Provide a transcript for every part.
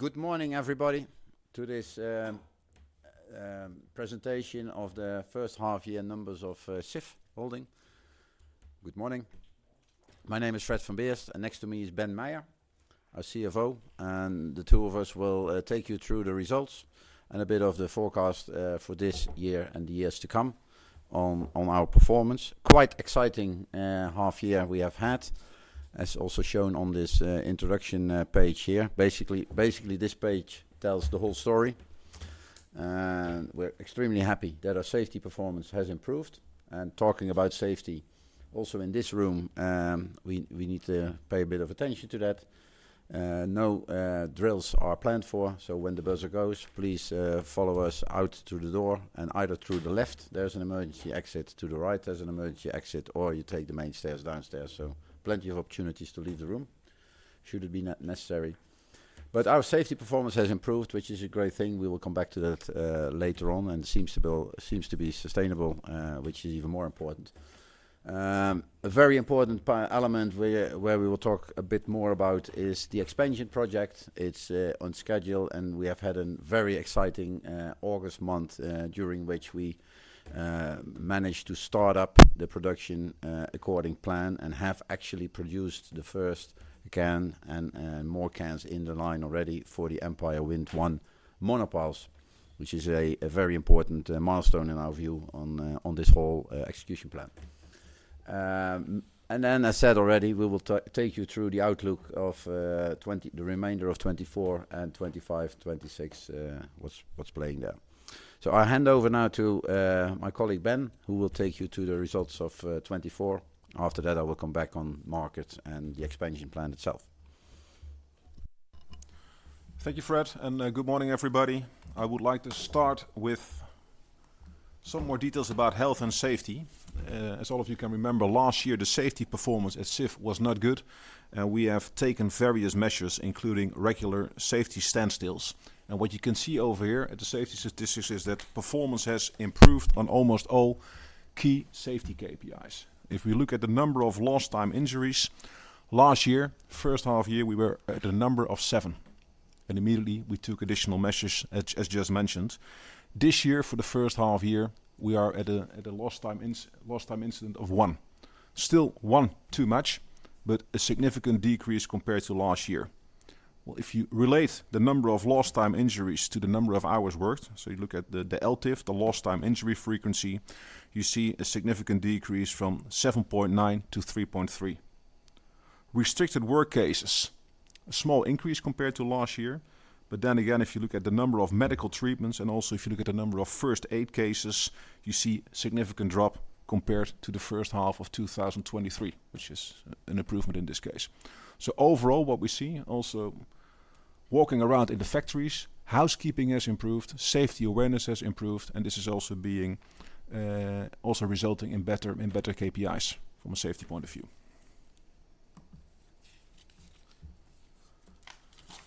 Good morning, everybody, to this presentation of the first half year numbers of Sif Holding. Good morning. My name is Fred van Beers, and next to me is Ben Meijer, our CFO. And the two of us will take you through the results and a bit of the forecast for this year and the years to come on our performance. Quite exciting half year we have had, as also shown on this introduction page here. Basically, this page tells the whole story. And we're extremely happy that our safety performance has improved. And talking about safety, also in this room, we need to pay a bit of attention to that. No drills are planned for, so when the buzzer goes, please follow us out to the door and either through the left, there's an emergency exit, to the right there's an emergency exit, or you take the main stairs downstairs. So plenty of opportunities to leave the room, should it be necessary. But our safety performance has improved, which is a great thing. We will come back to that later on, and it seems to be sustainable, which is even more important. A very important element where we will talk a bit more about is the expansion project. It's on schedule, and we have had a very exciting August month during which we managed to start up the production according to plan and have actually produced the first can and more cans in the line already for the Empire Wind 1 monopiles, which is a very important milestone in our view on this whole execution plan. And then I said already, we will take you through the outlook of the remainder of 2024 and 2025, 2026, what's playing there. I hand over now to my colleague, Ben, who will take you to the results of 2024. After that, I will come back on market and the expansion plan itself. Thank you, Fred, and good morning, everybody. I would like to start with some more details about health and safety. As all of you can remember, last year the safety performance at Sif was not good, and we have taken various measures, including regular safety standstills. And what you can see over here at the safety statistics is that performance has improved on almost all key safety KPIs. If we look at the number of lost-time injuries, last year, first half year, we were at a number of seven, and immediately we took additional measures, as just mentioned. This year, for the first half year, we are at a lost time incident of one. Still one too much, but a significant decrease compared to last year. If you relate the number of lost-time injuries to the number of hours worked, so you look at the LTIF, the lost-time injury frequency, you see a significant decrease from seven point nine to three point three. Restricted work cases, a small increase compared to last year, but then again, if you look at the number of medical treatments, and also if you look at the number of first aid cases, you see a significant drop compared to the first half of two thousand and twenty-three, which is an improvement in this case. So overall, what we see also walking around in the factories, housekeeping has improved, safety awareness has improved, and this is also being also resulting in better KPIs from a safety point of view.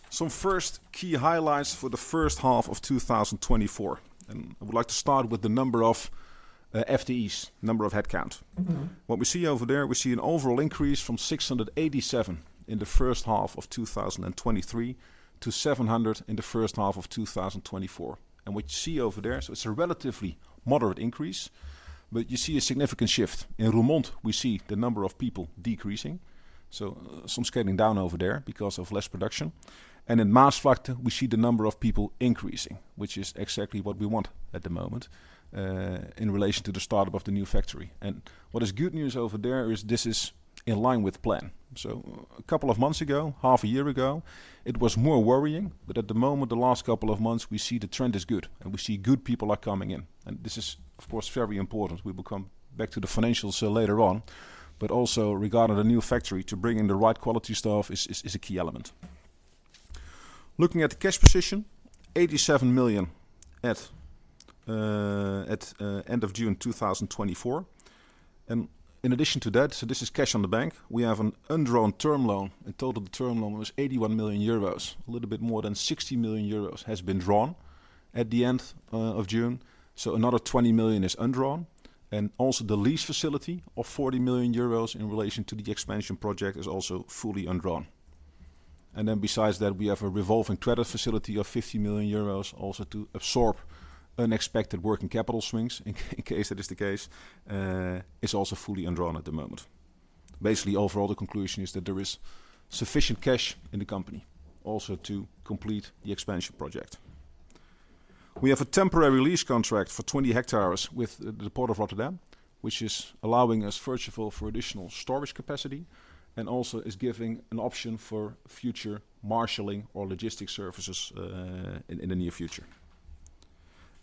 Some first key highlights for the first half of two thousand and twenty-four, and I would like to start with the number of, FTEs, number of headcount. What we see over there, we see an overall increase from six hundred and eighty-seven in the first half of two thousand and twenty-three to seven hundred in the first half of two thousand and twenty-four. And what you see over there, so it's a relatively moderate increase, but you see a significant shift. In Roermond, we see the number of people decreasing, so some scaling down over there because of less production. And in Maasvlakte, we see the number of people increasing, which is exactly what we want at the moment, in relation to the start-up of the new factory. And what is good news over there is this is in line with plan. A couple of months ago, half a year ago, it was more worrying, but at the moment, the last couple of months, we see the trend is good, and we see good people are coming in, and this is, of course, very important. We will come back to the financials later on, but also regarding the new factory, to bring in the right quality staff is a key element. Looking at the cash position, 87 million EUR at the end of June 2024. And in addition to that, so this is cash on the bank, we have an undrawn term loan. In total, the term loan was 81 million euros. A little bit more than 60 million euros has been drawn at the end of June, so another 20 million is undrawn. And also the lease facility of 40 million euros in relation to the expansion project is also fully undrawn. And then, besides that, we have a revolving credit facility of 50 million euros, also to absorb unexpected working capital swings, in case that is the case, it's also fully undrawn at the moment. Basically, overall, the conclusion is that there is sufficient cash in the company also to complete the expansion project. We have a temporary lease contract for 20 hectares with the Port of Rotterdam, which is allowing us, first of all, for additional storage capacity and also is giving an option for future marshalling or logistics services, in the near future.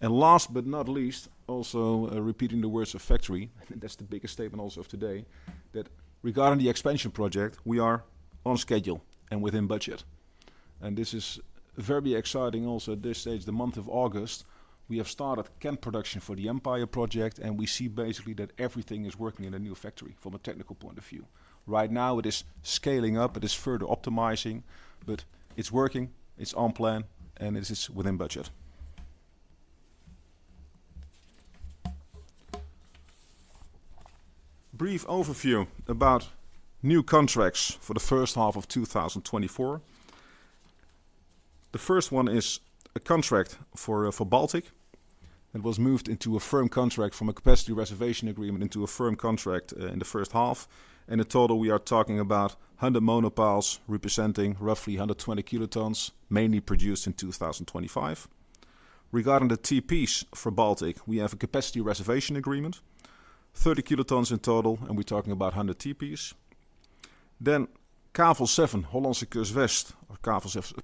Last but not least, also repeating the word from the factory, that's the biggest statement also of today, that regarding the expansion project, we are on schedule and within budget, and this is very exciting also at this stage. The month of August, we have started ramp production for the Empire project, and we see basically that everything is working in a new factory from a technical point of view. Right now, it is scaling up, it is further optimizing, but it's working, it's on plan, and it is within budget. Brief overview about new contracts for the first half of two thousand and twenty-four. The first one is a contract for Baltic. It was moved into a firm contract from a capacity reservation agreement into a firm contract in the first half. In total, we are talking about 100 monopiles, representing roughly 120 kilotons, mainly produced in 2025. Regarding the TPs for Baltic, we have a capacity reservation agreement, 30 kilotons in total, and we're talking about 100 TPs. Then Kavel Seven, Hollandse Kust West, or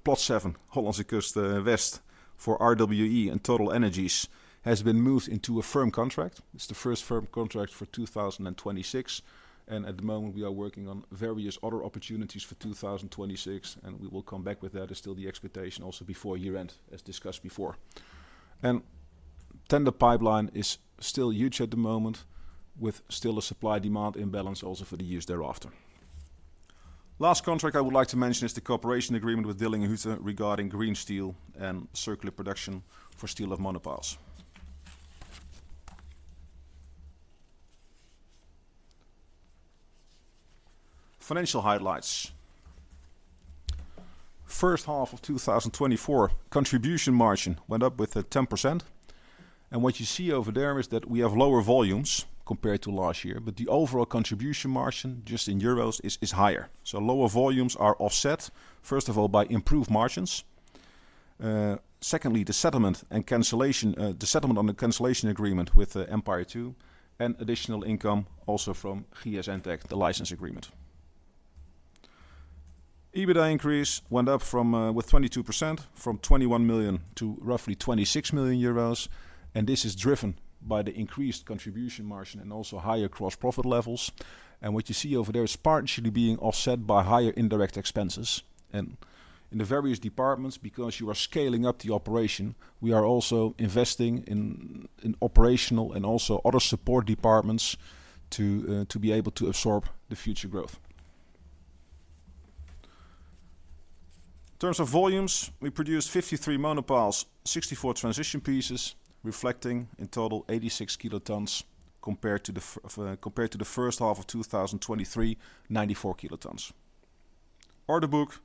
Plot Seven, Hollandse Kust West, for RWE and TotalEnergies, has been moved into a firm contract. It's the first firm contract for 2026, and at the moment, we are working on various other opportunities for 2026, and we will come back with that. It's still the expectation also before year-end, as discussed before. The tender pipeline is still huge at the moment, with still a supply-demand imbalance also for the years thereafter. Last contract I would like to mention is the cooperation agreement with Dillinger Hütte regarding green steel and circular production for steel of monopiles. Financial highlights. First half of 2024, contribution margin went up with 10%, and what you see over there is that we have lower volumes compared to last year, but the overall contribution margin, just in EUR, is higher. So lower volumes are offset, first of all, by improved margins. Secondly, the settlement and cancellation, the settlement on the cancellation agreement with Empire Two, and additional income also from GS Entec, the license agreement. EBITDA increase went up from with 22%, from 21 million to roughly 26 million euros, and this is driven by the increased contribution margin and also higher gross proFID levels. What you see over there is partially being offset by higher indirect expenses. In the various departments, because you are scaling up the operation, we are also investing in operational and also other support departments to be able to absorb the future growth. In terms of volumes, we produced 53 monopiles, 64 transition pieces, reflecting in total 86 kilotons, compared to the first half of 2023, 94 kilotons. Order book: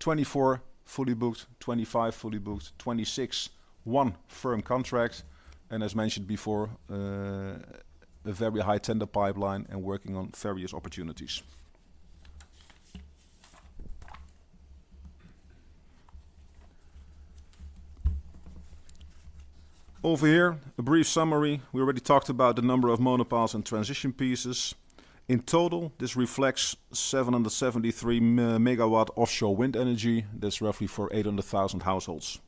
2024, fully booked. 2025, fully booked. 2026, one firm contract, and as mentioned before, a very high tender pipeline and working on various opportunities. Over here, a brief summary. We already talked about the number of monopiles and transition pieces. In total, this reflects 773 megawatt offshore wind energy. That's roughly for 800,000 households.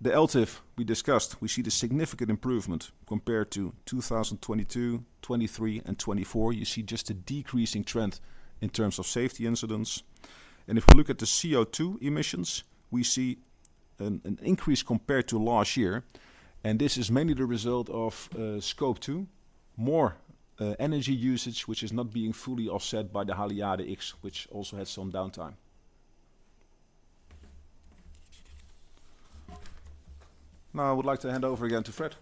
The LTIF we discussed, we see the significant improvement compared to 2022, 2023 and 2024. You see just a decreasing trend in terms of safety incidents. And if we look at the CO2 emissions, we see an increase compared to last year, and this is mainly the result of Scope 2, more energy usage, which is not being fully offset by the Haliade-X, which also has some downtime. Now, I would like to hand over again to Fred.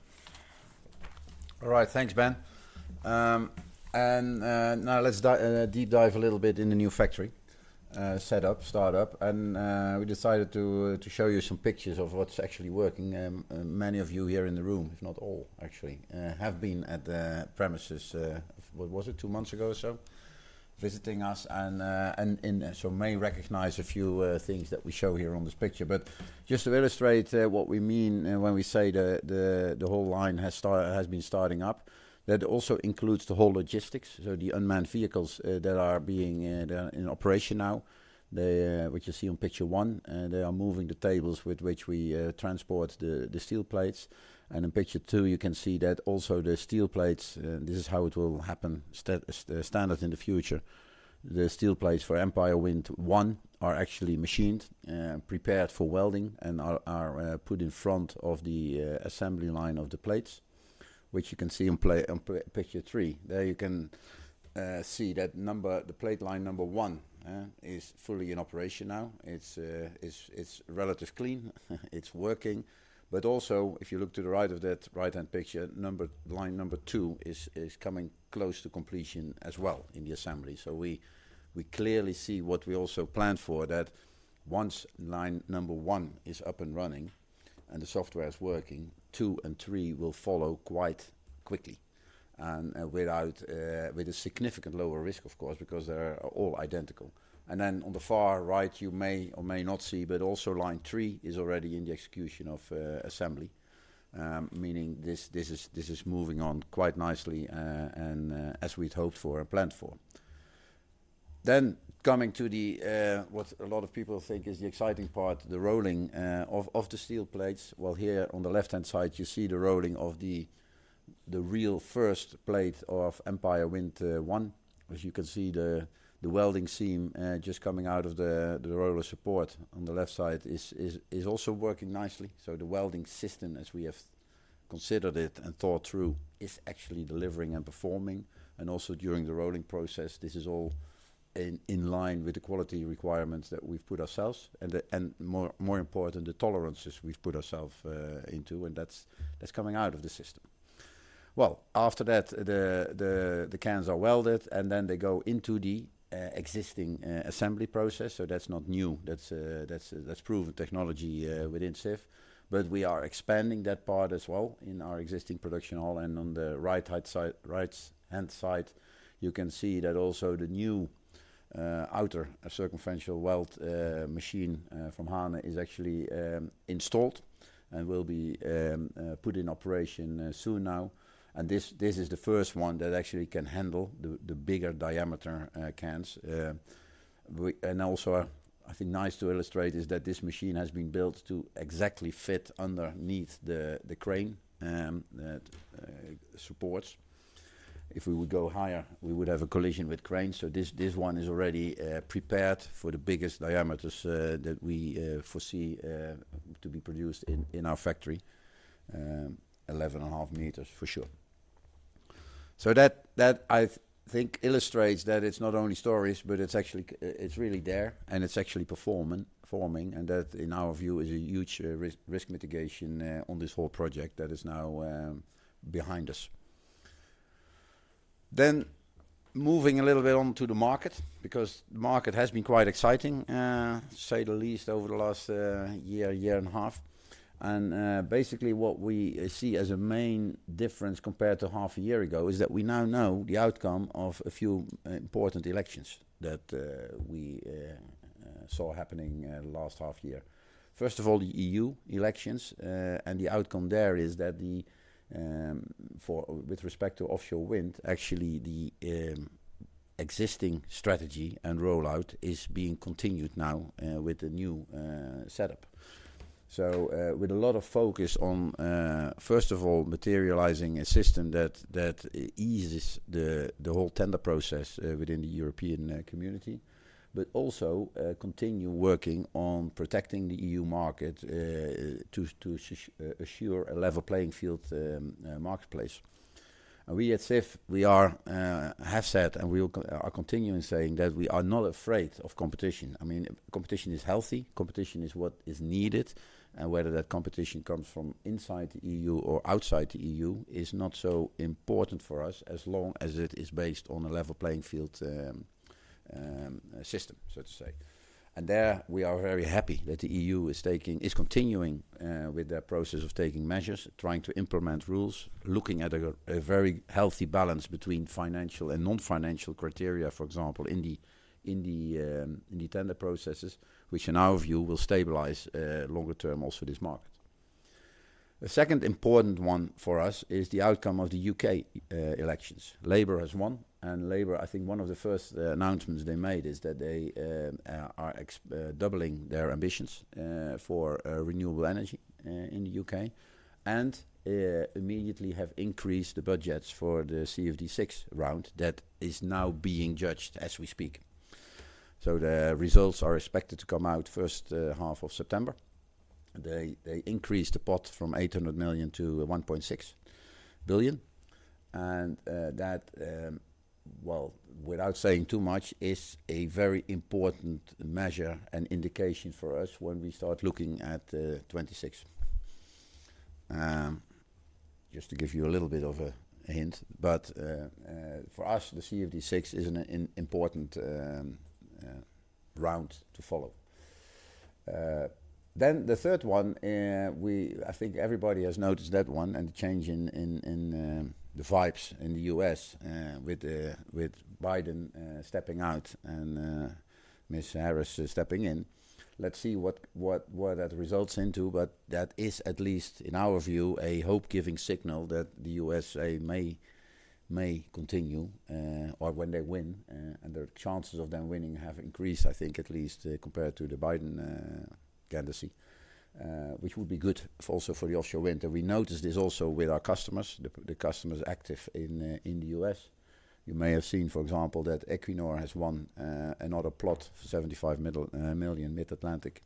All right, thanks, Ben. And now let's deep dive a little bit in the new factory set up, start up. And we decided to show you some pictures of what's actually working. And many of you here in the room, if not all, actually, have been at the premises, what was it? Two months ago or so, visiting us and so may recognize a few things that we show here on this picture. But just to illustrate, what we mean when we say the whole line has been starting up, that also includes the whole logistics. So the unmanned vehicles that are being, they are in operation now. They, which you see on picture one, they are moving the tables with which we transport the steel plates. And in picture two, you can see that also the steel plates, this is how it will happen standard in the future. The steel plates for Empire Wind One are actually machined, prepared for welding and are put in front of the assembly line of the plates, which you can see on picture three. There you can see that the plate line number one is fully in operation now. It's relatively clean, it's working. But also, if you look to the right of that right-hand picture, line number two is coming close to completion as well in the assembly. So we clearly see what we also planned for, that once line number one is up and running and the software is working, two and three will follow quite quickly, with a significant lower risk, of course, because they are all identical. And then on the far right, you may or may not see, but also line three is already in the execution of assembly. Meaning this is moving on quite nicely, and as we'd hoped for and planned for. Then, coming to the what a lot of people think is the exciting part, the rolling of the steel plates. Well, here on the left-hand side, you see the rolling of the real first plate of Empire Wind 1. As you can see, the welding seam just coming out of the roller support on the left side is also working nicely, so the welding system, as we have considered it and thought through, is actually delivering and performing and also during the rolling process, this is all in line with the quality requirements that we've put ourselves, and more important, the tolerances we've put ourselves into, and that's coming out of the system, well, after that, the cans are welded, and then they go into the existing assembly process, so that's not new. That's proven technology within Sif, but we are expanding that part as well in our existing production hall. And on the right-hand side, you can see that also the new outer circumferential weld machine from Haane is actually installed and will be put in operation soon now. And this is the first one that actually can handle the bigger diameter cans. And also, I think, nice to illustrate is that this machine has been built to exactly FID underneath the crane that supports. If we would go higher, we would have a collision with crane. So this one is already prepared for the biggest diameters that we foresee to be produced in our factory, eleven and a half meters, for sure. That I think illustrates that it's not only stories, but it's actually, it's really there, and it's actually performing. And that, in our view, is a huge risk mitigation on this whole project that is now behind us. Moving a little bit on to the market, because the market has been quite exciting, to say the least, over the last year and a half. And basically, what we see as a main difference compared to half a year ago is that we now know the outcome of a few important elections that we saw happening last half year. First of all, the EU elections. And the outcome there is that the for... With respect to offshore wind, actually, the existing strategy and rollout is being continued now with the new setup. So, with a lot of focus on first of all, materializing a system that eases the whole tender process within the European community, but also continue working on protecting the EU market to assure a level playing field marketplace. And we at Sif, we have said, and we will continue saying, that we are not afraid of competition. I mean, competition is healthy, competition is what is needed, and whether that competition comes from inside the EU or outside the EU is not so important for us, as long as it is based on a level playing field system, so to say. There, we are very happy that the EU is continuing with their process of taking measures, trying to implement rules, looking at a very healthy balance between financial and non-financial criteria, for example, in the tender processes, which in our view, will stabilize longer term also this market. The second important one for us is the outcome of the U.K. elections. Labour has won, and Labour, I think one of the first announcements they made is that they are doubling their ambitions for renewable energy in the U.K., and immediately have increased the budgets for the CfD sixth round. That is now being judged as we speak. The results are expected to come out first half of September. They increased the pot from 800 million to 1.6 billion. That, well, without saying too much, is a very important measure and indication for us when we start looking at 2026. Just to give you a little bit of a hint, but for us, the CfD sixth is an important round to follow. Then the third one, I think everybody has noticed that one, and the change in the vibes in the U.S., with Biden stepping out and Miss Harris stepping in. Let's see what that results into, but that is, at least in our view, a hope-giving signal that the USA may continue, or when they win, and their chances of them winning have increased, I think, at least, compared to the Biden candidacy, which would be good also for the offshore wind. And we noticed this also with our customers, the customers active in the US. You may have seen, for example, that Equinor has won another plot for seventy-five million Mid-Atlantic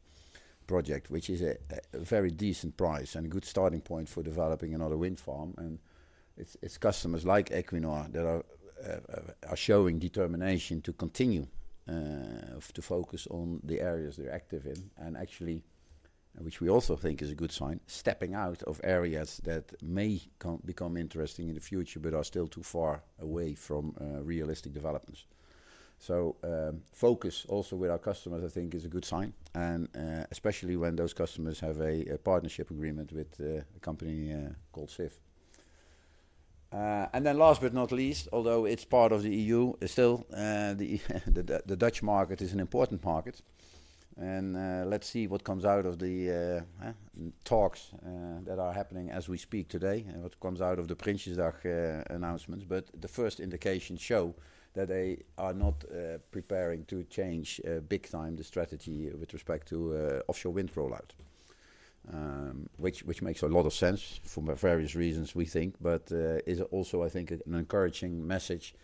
project, which is a very decent price and a good starting point for developing another wind farm. And it's customers like Equinor that are showing determination to continue to focus on the areas they're active in, and actually, which we also think is a good sign, stepping out of areas that may become interesting in the future, but are still too far away from realistic developments. So, focus also with our customers, I think is a good sign, and especially when those customers have a partnership agreement with a company called Sif. And then last but not least, although it's part of the E.U., still, the Dutch market is an important market. And let's see what comes out of the talks that are happening as we speak today, and what comes out of the Prinsjesdag announcements. But the first indications show that they are not preparing to change big time the strategy with respect to offshore wind rollout. Which makes a lot of sense for various reasons, we think, but is also, I think, an encouraging message,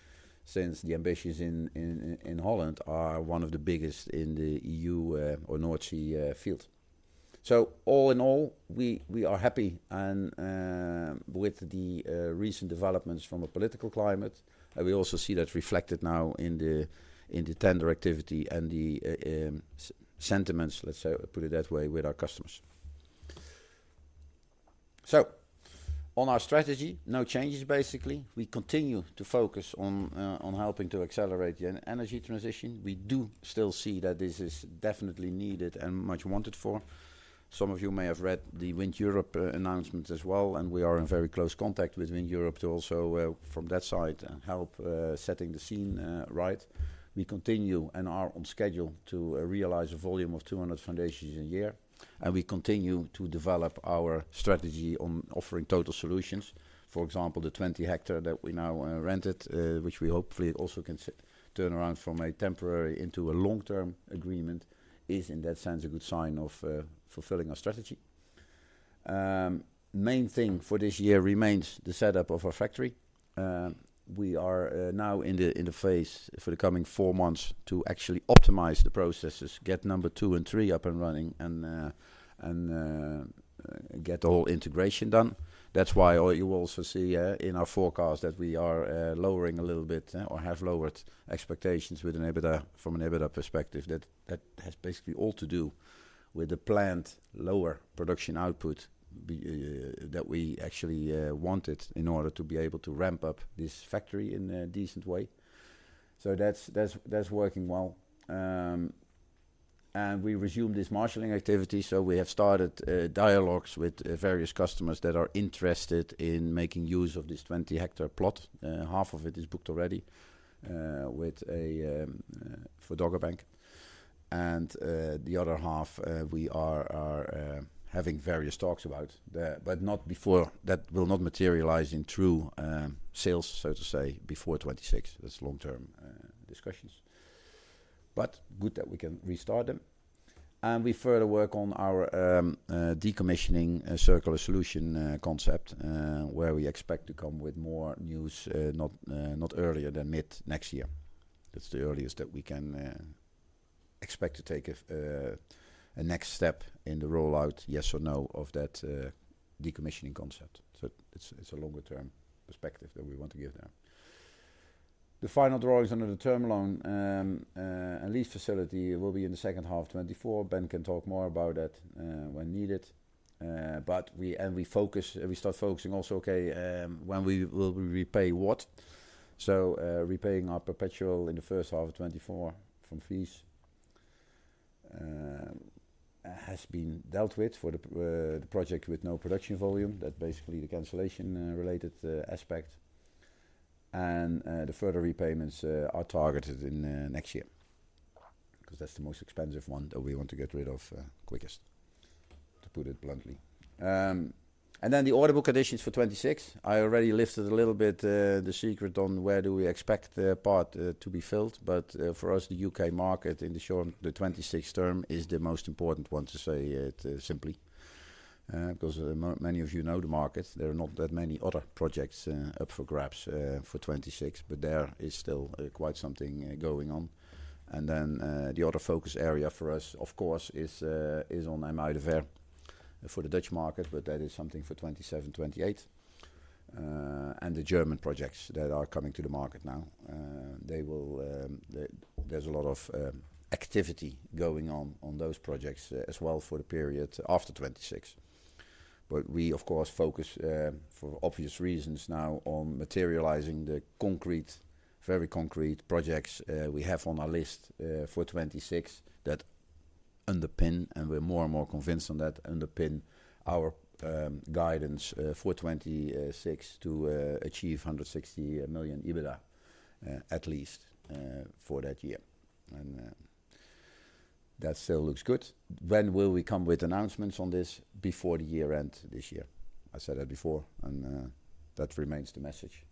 since the ambitions in Holland are one of the biggest in the EU or North Sea field... So all in all, we are happy and with the recent developments from a political climate. And we also see that reflected now in the tender activity and the sentiments, let's say, put it that way, with our customers. So on our strategy, no changes basically. We continue to focus on helping to accelerate the energy transition. We do still see that this is definitely needed and much wanted for. Some of you may have read the WindEurope announcement as well, and we are in very close contact with WindEurope to also from that side help setting the scene right. We continue and are on schedule to realize a volume of 200 foundations a year, and we continue to develop our strategy on offering total solutions. For example, the 20 hectares that we now rented, which we hopefully also can turn around from a temporary into a long-term agreement, is in that sense a good sign of fulfilling our strategy. Main thing for this year remains the setup of our factory. We are now in the phase for the coming four months to actually optimize the processes, get number two and three up and running, and get all integration done. That's why you will also see in our forecast that we are lowering a little bit or have lowered expectations with an EBITDA, from an EBITDA perspective, that has basically all to do with the planned lower production output that we actually wanted in order to be able to ramp up this factory in a decent way. So that's working well. And we resumed this marshalling activity, so we have started dialogues with various customers that are interested in making use of this 20-hectare plot. Half of it is booked already with a for Dogger Bank. And the other half we are having various talks about the. But not before, that will not materialize in true sales, so to say, before 2026. That's long-term discussions. But good that we can restart them. And we further work on our decommissioning circular solution concept where we expect to come with more news, not earlier than mid next year. That's the earliest that we can expect to take a next step in the rollout, yes or no, of that decommissioning concept. So it's a longer term perspective that we want to give there. The final drawings under the term loan and lease facility will be in the second half 2024. Ben can talk more about that when needed. But we and we focus, we start focusing also, okay, when we will repay what? Repaying our perpetual in the first half of 2024 from free cash has been dealt with for the project with no production volume. That's basically the cancellation related aspect. The further repayments are targeted in next year, because that's the most expensive one that we want to get rid of quickest, to put it bluntly. Then the order book additions for 2026. I already lifted a little bit the secret on where do we expect the gap to be filled. But for us, the U.K. market in the short term, the 2026 term, is the most important one, to say it simply. Because many of you know the market, there are not that many other projects up for grabs for 2026, but there is still quite something going on. And then the other focus area for us, of course, is on IJmuiden Ver for the Dutch market, but that is something for 2027, 2028. And the German projects that are coming to the market now, they will, there's a lot of activity going on on those projects as well for the period after 2026. But we, of course, focus, for obvious reasons now on materializing the concrete, very concrete projects, we have on our list, for 2026, that underpin, and we're more and more convinced on that, underpin our, guidance, for 2026 to achieve 160 million EBITDA, at least, for that year. And, that still looks good. When will we come with announcements on this? Before the year end, this year. I said that before, and, that remains the message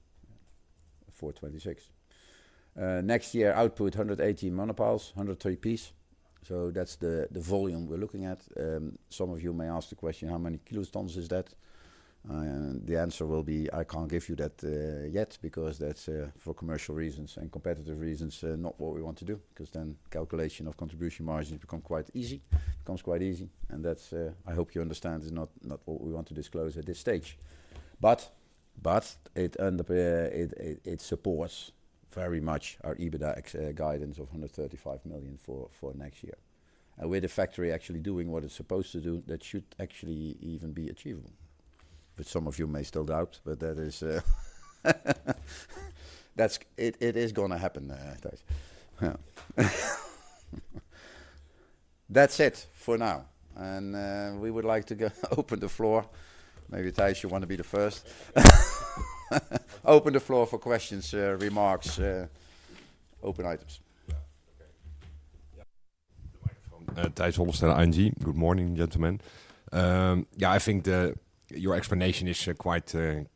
for 2026. Next year, output, 180 monopiles, 130 pieces. So that's the volume we're looking at. Some of you may ask the question: How many kilotons is that? And the answer will be: I can't give you that yet, because that's for commercial reasons and competitive reasons not what we want to do, because then calculation of contribution margins become quite easy, becomes quite easy. And that's, I hope you understand, is not what we want to disclose at this stage. But it under, it supports very much our EBITDA guidance of 135 million for next year. And with the factory actually doing what it's supposed to do, that should actually even be achievable. But some of you may still doubt, but that is, that's. It is gonna happen, Tijs. Yeah. That's it for now. And we would like to go open the floor. Maybe, Tijs, you want to be the first? Open the floor for questions, remarks, open items. Yeah. Okay. Yeah, the microphone. Tijs Hollestelle, ING. Good morning, gentlemen. Yeah, I think your explanation is quite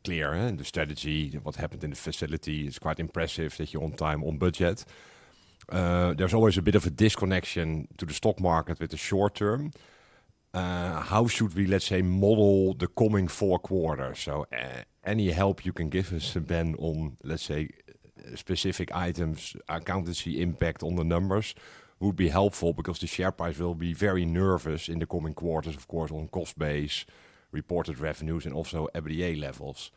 clear, eh? The strategy, what happened in the facility, it's quite impressive that you're on time, on budget. There's always a bit of a disconnection to the stock market with the short term. How should we, let's say, model the coming four quarters? So, any help you can give us, Ben, on, let's say, specific items, accountancy impact on the numbers, would be helpful, because the share price will be very nervous in the coming quarters, of course, on cost base, reported revenues, and also EBITDA levels.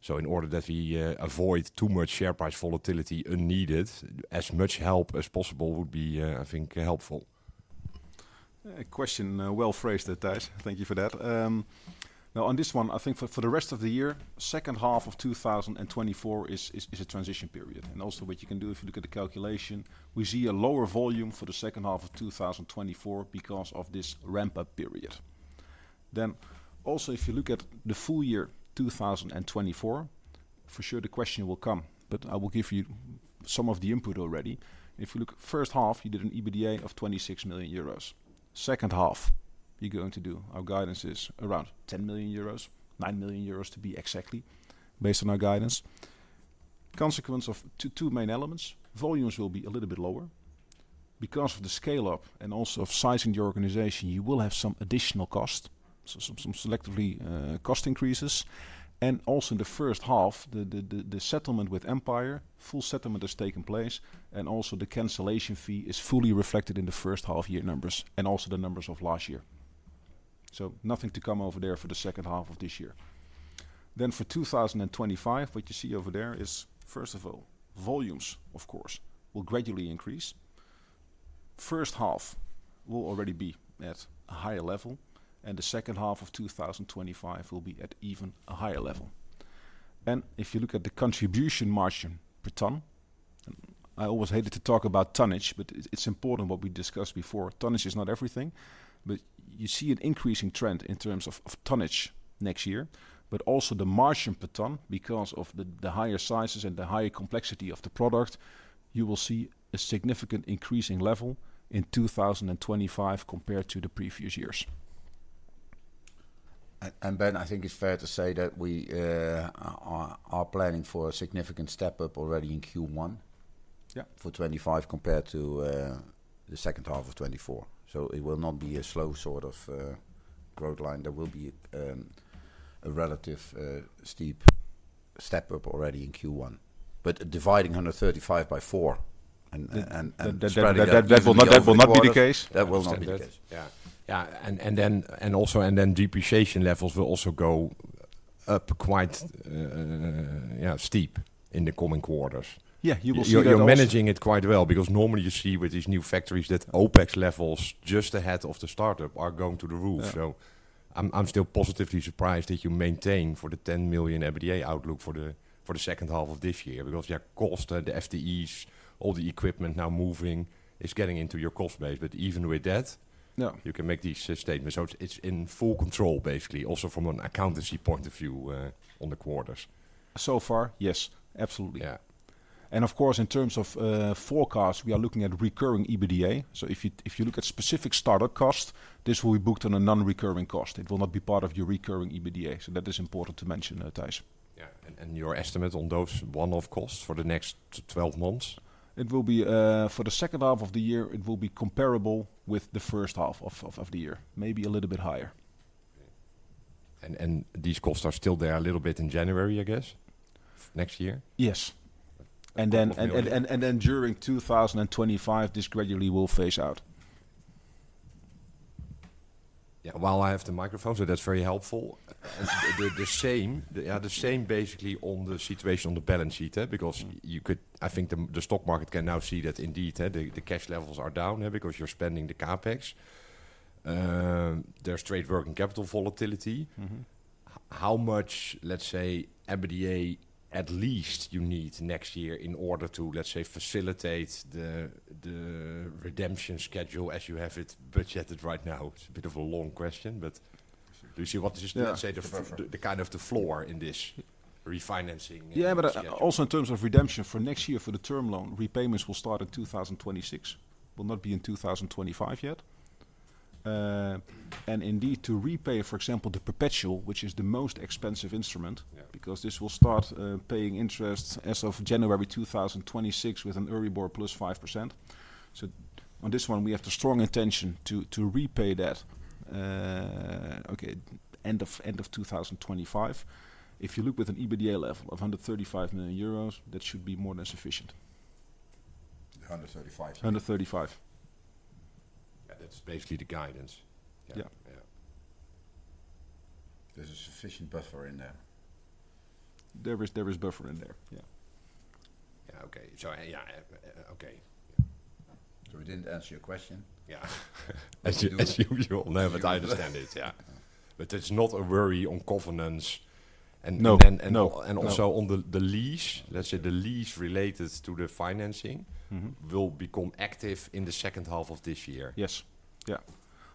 So in order that we avoid too much share price volatility unneeded, as much help as possible would be, I think, helpful. Question, well phrased there, Tijs. Thank you for that. Now, on this one, I think for the rest of the year, second half of two thousand and twenty-four is a transition period. And also what you can do, if you look at the calculation, we see a lower volume for the second half of two thousand and twenty-four because of this ramp-up period. Then also, if you look at the full year, two thousand and twenty-four, for sure the question will come, but I will give you some of the input already. If you look at first half, you did an EBITDA of 26 million euros. Second half, you're going to do... Our guidance is around 10 million euros, 9 million euros to be exactly, based on our guidance. Consequence of two main elements, volumes will be a little bit lower. Because of the scale-up and also of sizing the organization, you will have some additional cost, so some selectively cost increases. And also in the first half, the settlement with Empire, full settlement has taken place, and also the cancellation fee is fully reflected in the first half year numbers and also the numbers of last year. So nothing to come over there for the second half of this year. Then for two thousand and twenty-five, what you see over there is, first of all, volumes, of course, will gradually increase. First half will already be at a higher level, and the second half of two thousand and twenty-five will be at even a higher level. And if you look at the contribution margin per ton, I always hated to talk about tonnage, but it, it's important what we discussed before. Tonnage is not everything, but you see an increasing trend in terms of tonnage next year. But also the margin per ton, because of the higher sizes and the higher complexity of the product, you will see a significant increasing level in two thousand and twenty-five compared to the previous years. Aart and Ben, I think it's fair to say that we are planning for a significant step-up already in Q1. Yeah... for twenty-five, compared to the second half of twenty-four. So it will not be a slow sort of growth line. There will be a relative steep step-up already in Q1. But dividing hundred and thirty-five by four and, That will not be the case. That will not be the case. Yeah, and then depreciation levels will also go up quite steep in the coming quarters. Yeah, you will see that also- You're managing it quite well, because normally you see with these new factories that OpEx levels just ahead of the startup are going through the roof. Yeah. I'm still positively surprised that you maintain the 10 million EBITDA outlook for the second half of this year. Because your cost, the FTEs, all the equipment now moving, is getting into your cost base. But even with that. Yeah... you can make these statements. So it's in full control, basically, also from an accountancy point of view, on the quarters. So far, yes, absolutely. Yeah. And of course, in terms of forecast, we are looking at recurring EBITDA. So if you look at specific startup costs, this will be booked on a non-recurring cost. It will not be part of your recurring EBITDA, so that is important to mention, Tijs. Yeah, and your estimate on those one-off costs for the next twelve months? It will be for the second half of the year. It will be comparable with the first half of the year, maybe a little bit higher. These costs are still there a little bit in January, I guess, next year? Yes. And then- During 2025, this gradually will phase out. Yeah. While I have the microphone, so that's very helpful, and the same basically on the situation on the balance sheet, huh? Because I think the stock market can now see that indeed, the cash levels are down, because you're spending the CapEx. There's trade working capital volatility. Mm-hmm. How much, let's say, EBITDA, at least you need next year in order to, let's say, facilitate the redemption schedule as you have it budgeted right now? It's a bit of a long question, but do you see what this- Yeah. Let's say the floor in this refinancing? Yeah, but, also in terms of redemption for next year, for the term loan, repayments will start in 2026, will not be in 2025 yet. And indeed, to repay, for example, the perpetual, which is the most expensive instrument- Yeah... because this will start paying interest as of January 2026, with an EURIBOR plus 5%. So on this one, we have the strong intention to repay that, okay, end of 2025. If you look with an EBITDA level of 135 million euros, that should be more than sufficient. Hundred and thirty-five? 135. Yeah, that's basically the guidance. Yeah. Yeah. Yeah. There's a sufficient buffer in there. There is buffer in there, yeah. Yeah. Okay. So yeah, okay. So we didn't answer your question? Yeah. As you will know, but I understand it, yeah. But it's not a worry on covenants and- No, no... and also on the lease, let's say, the lease related to the financing- Mm-hmm... will become active in the second half of this year. Yes. Yeah.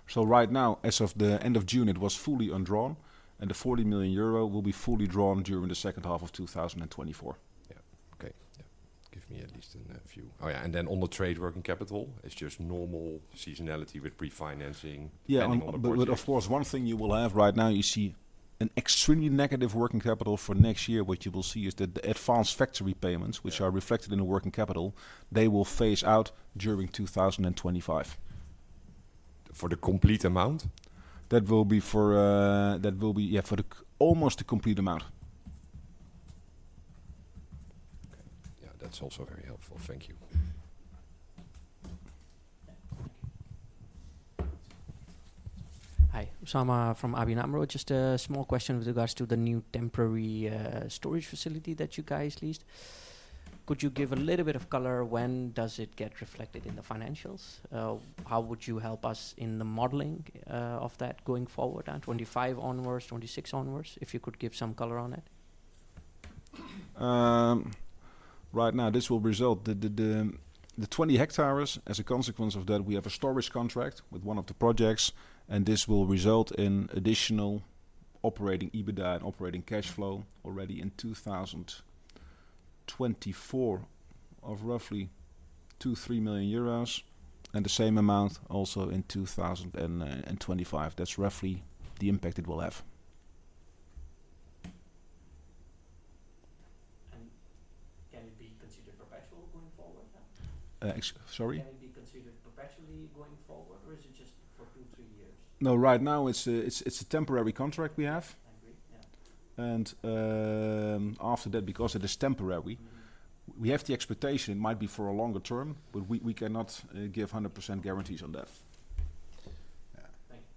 So right now, as of the end of June, it was fully undrawn, and the 40 million euro will be fully drawn during the second half of 2024. Yeah. Okay. Yeah. Give me at least a few... Oh, yeah, and then on the trade working capital, it's just normal seasonality with pre-financing? Yeah. Normal budgets. But of course, one thing you will have right now. You see an extremely negative working capital for next year. What you will see is that the advanced factory payments- Yeah... which are reflected in the working capital, they will phase out during 2025. For the complete amount? That will be for. That will be, yeah, for almost the complete amount. Okay. Yeah, that's also very helpful. Thank you.... Hi, Usama from ABN AMRO. Just a small question with regards to the new temporary storage facility that you guys leased. Could you give a little bit of color, when does it get reflected in the financials? How would you help us in the modeling of that going forward, 2025 onwards, 2026 onwards? If you could give some color on it. Right now, this will result in the 20 hectares. As a consequence of that, we have a storage contract with one of the projects, and this will result in additional operating EBITDA and operating cash flow already in 2024 of roughly 2-3 million euros, and the same amount also in 2025. That's roughly the impact it will have. Can it be considered perpetual going forward, yeah? Sorry? Can it be considered perpetually going forward, or is it just for two, three years? No, right now, it's a temporary contract we have. I agree, yeah. And, after that, because it is temporary- Mm-hmm. We have the expectation it might be for a longer term, but we cannot give 100% guarantees on that. Yeah. Thank you.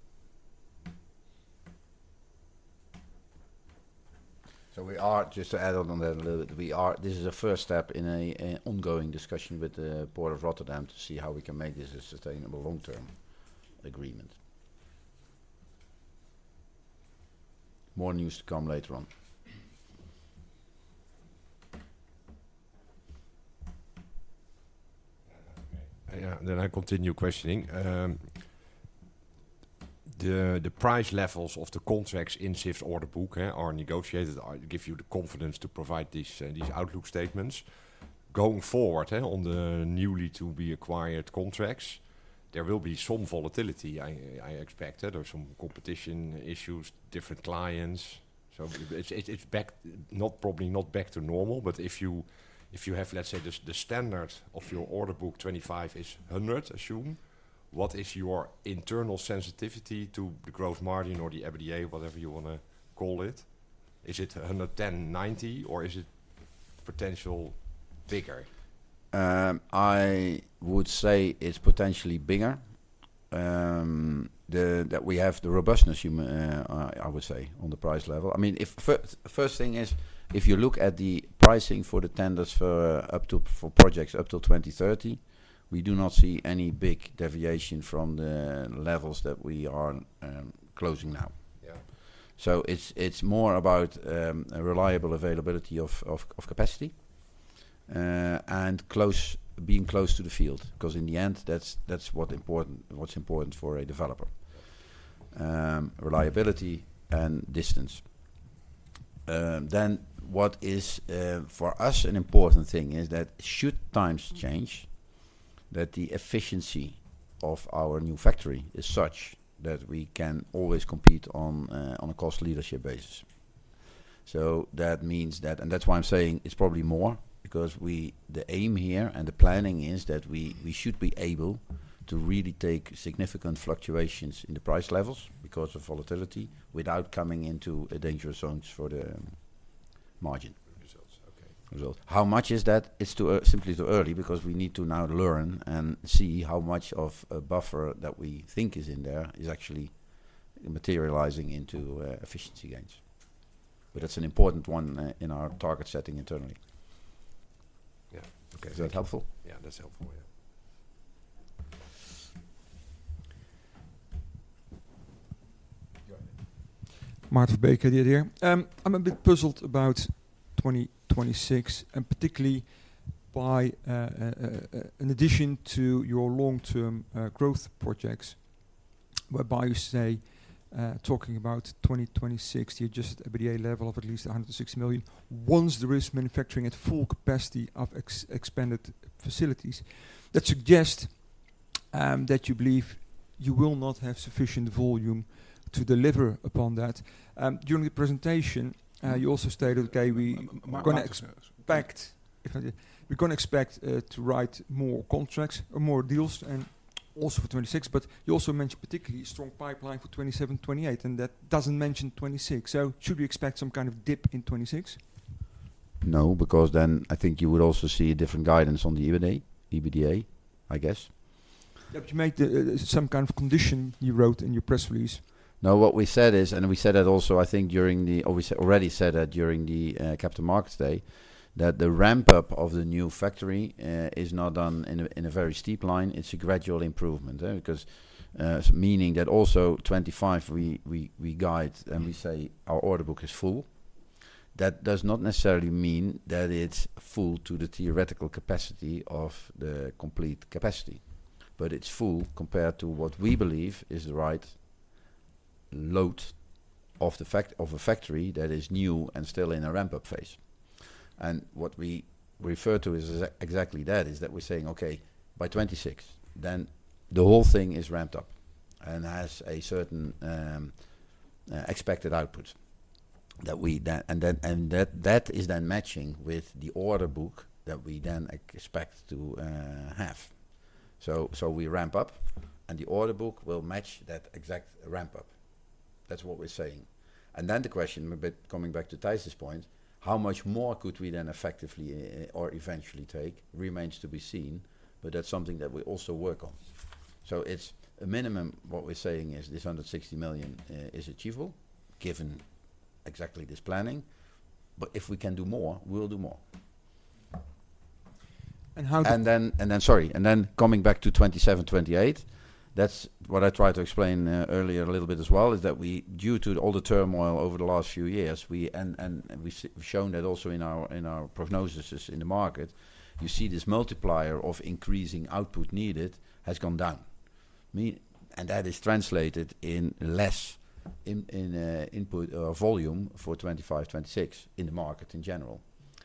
So, just to add on to that a little bit. This is a first step in an ongoing discussion with the Port of Rotterdam to see how we can make this a sustainable long-term agreement. More news to come later on. Yeah. Okay. Yeah, then I continue questioning. The price levels of the contracts in SIF's order book are negotiated, are give you the confidence to provide these outlook statements. Going forward, on the newly to be acquired contracts, there will be some volatility, I expect, or some competition issues, different clients. So it's back, not probably not back to normal, but if you have, let's say, the standard of your order book, twenty-five is hundred, assume, what is your internal sensitivity to the growth margin or the EBITDA, whatever you wanna call it? Is it a hundred and ten, ninety, or is it potential bigger? I would say it's potentially bigger. That we have the robustness, I would say, on the price level. I mean, if first thing is, if you look at the pricing for the tenders for up to, for projects up till 2030, we do not see any big deviation from the levels that we are closing now. Yeah. So it's more about a reliable availability of capacity and close, being close to the field, 'cause in the end, that's what's important for a developer: reliability and distance. Then what is for us an important thing is that should times change, that the efficiency of our new factory is such that we can always compete on a cost leadership basis. So that means that. And that's why I'm saying it's probably more, because we, the aim here and the planning is that we should be able to really take significant fluctuations in the price levels because of volatility, without coming into a dangerous zones for the margin. Results. Okay. Results. How much is that? It's too early, simply too early, because we need to now learn and see how much of a buffer that we think is in there is actually materializing into efficiency gains. But that's an important one in our target setting internally. Yeah. Okay. Is that helpful? Yeah, that's helpful. Yeah. Go ahead. Martijn Bakker, Degroof. I'm a bit puzzled about 2026, and particularly by, in addition to your long-term growth projects, whereby you say, talking about 2026, you adjust EBITDA level of at least 160 million, once there is manufacturing at full capacity of expanded facilities. That suggests that you believe you will not have sufficient volume to deliver upon that. During the presentation, you also stated, "Okay, we- We're gonna expect," if I did, "we're gonna expect to write more contracts or more deals, and also for 2026." But you also mentioned particularly strong pipeline for 2027, 2028, and that doesn't mention 2026. So should we expect some kind of dip in 2026? No, because then I think you would also see a different guidance on the EBITDA, I guess. Yeah, but you made some kind of condition you wrote in your press release. No, what we said is, and we said that also, I think during the Capital Markets Day, that the ramp up of the new factory is not done in a very steep line, it's a gradual improvement, eh? Because, meaning that also 2025, we guide and we say our order book is full. That does not necessarily mean that it's full to the theoretical capacity of the complete capacity, but it's full compared to what we believe is the right load of the factory that is new and still in a ramp-up phase. And what we refer to is exactly that, is that we're saying, "Okay, by 2026, then the whole thing is ramped up and has a certain expected output, that we then... And then that is then matching with the order book that we then expect to have. So we ramp up, and the order book will match that exact ramp up... That's what we're saying. And then the question, but coming back to Tijs' point, how much more could we then effectively or eventually take? Remains to be seen, but that's something that we also work on. So it's a minimum. What we're saying is, this 160 million is achievable, given exactly this planning. But if we can do more, we'll do more. And how- Sorry. And then coming back to 2027, 2028, that's what I tried to explain earlier a little bit as well, is that we due to all the turmoil over the last few years, we and we've shown that also in our prognoses in the market, you see this multiplier of increasing output needed has gone down. And that is translated in less input or volume for 2025, 2026 in the market in general.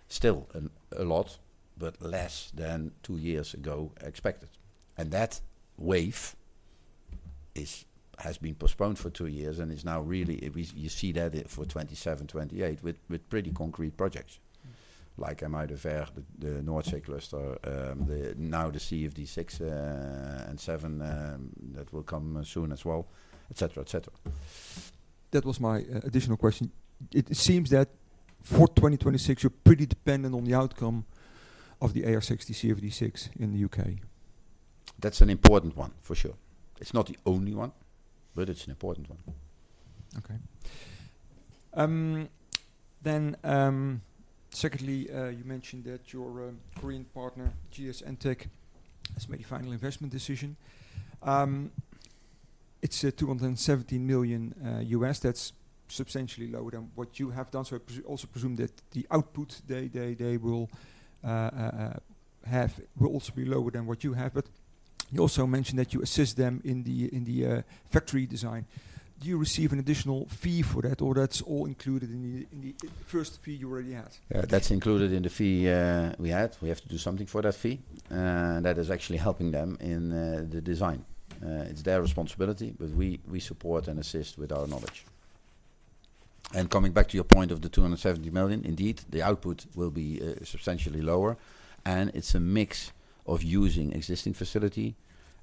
Still a lot, but less than two years ago expected. And that wave has been postponed for two years and is now really. You see that it for 2027, 2028 with pretty concrete projects. Like Empire, the North Sea Cluster, now the CfD six and seven, that will come soon as well, et cetera, et cetera. That was my additional question. It seems that for 2026, you're pretty dependent on the outcome of the AR6 CfD 6 in the U.K. That's an important one, for sure. It's not the only one, but it's an important one. Okay. Secondly, you mentioned that your Korean partner, GS Entec, has made a final investment decision. It's $270 million. That's substantially lower than what you have done, so I also presume that the output they will have will also be lower than what you have. But you also mentioned that you assist them in the factory design. Do you receive an additional fee for that, or that's all included in the first fee you already had? That's included in the fee we had. We have to do something for that fee, and that is actually helping them in the design. It's their responsibility, but we support and assist with our knowledge. Coming back to your point of the 270 million, indeed, the output will be substantially lower, and it's a mix of using existing facility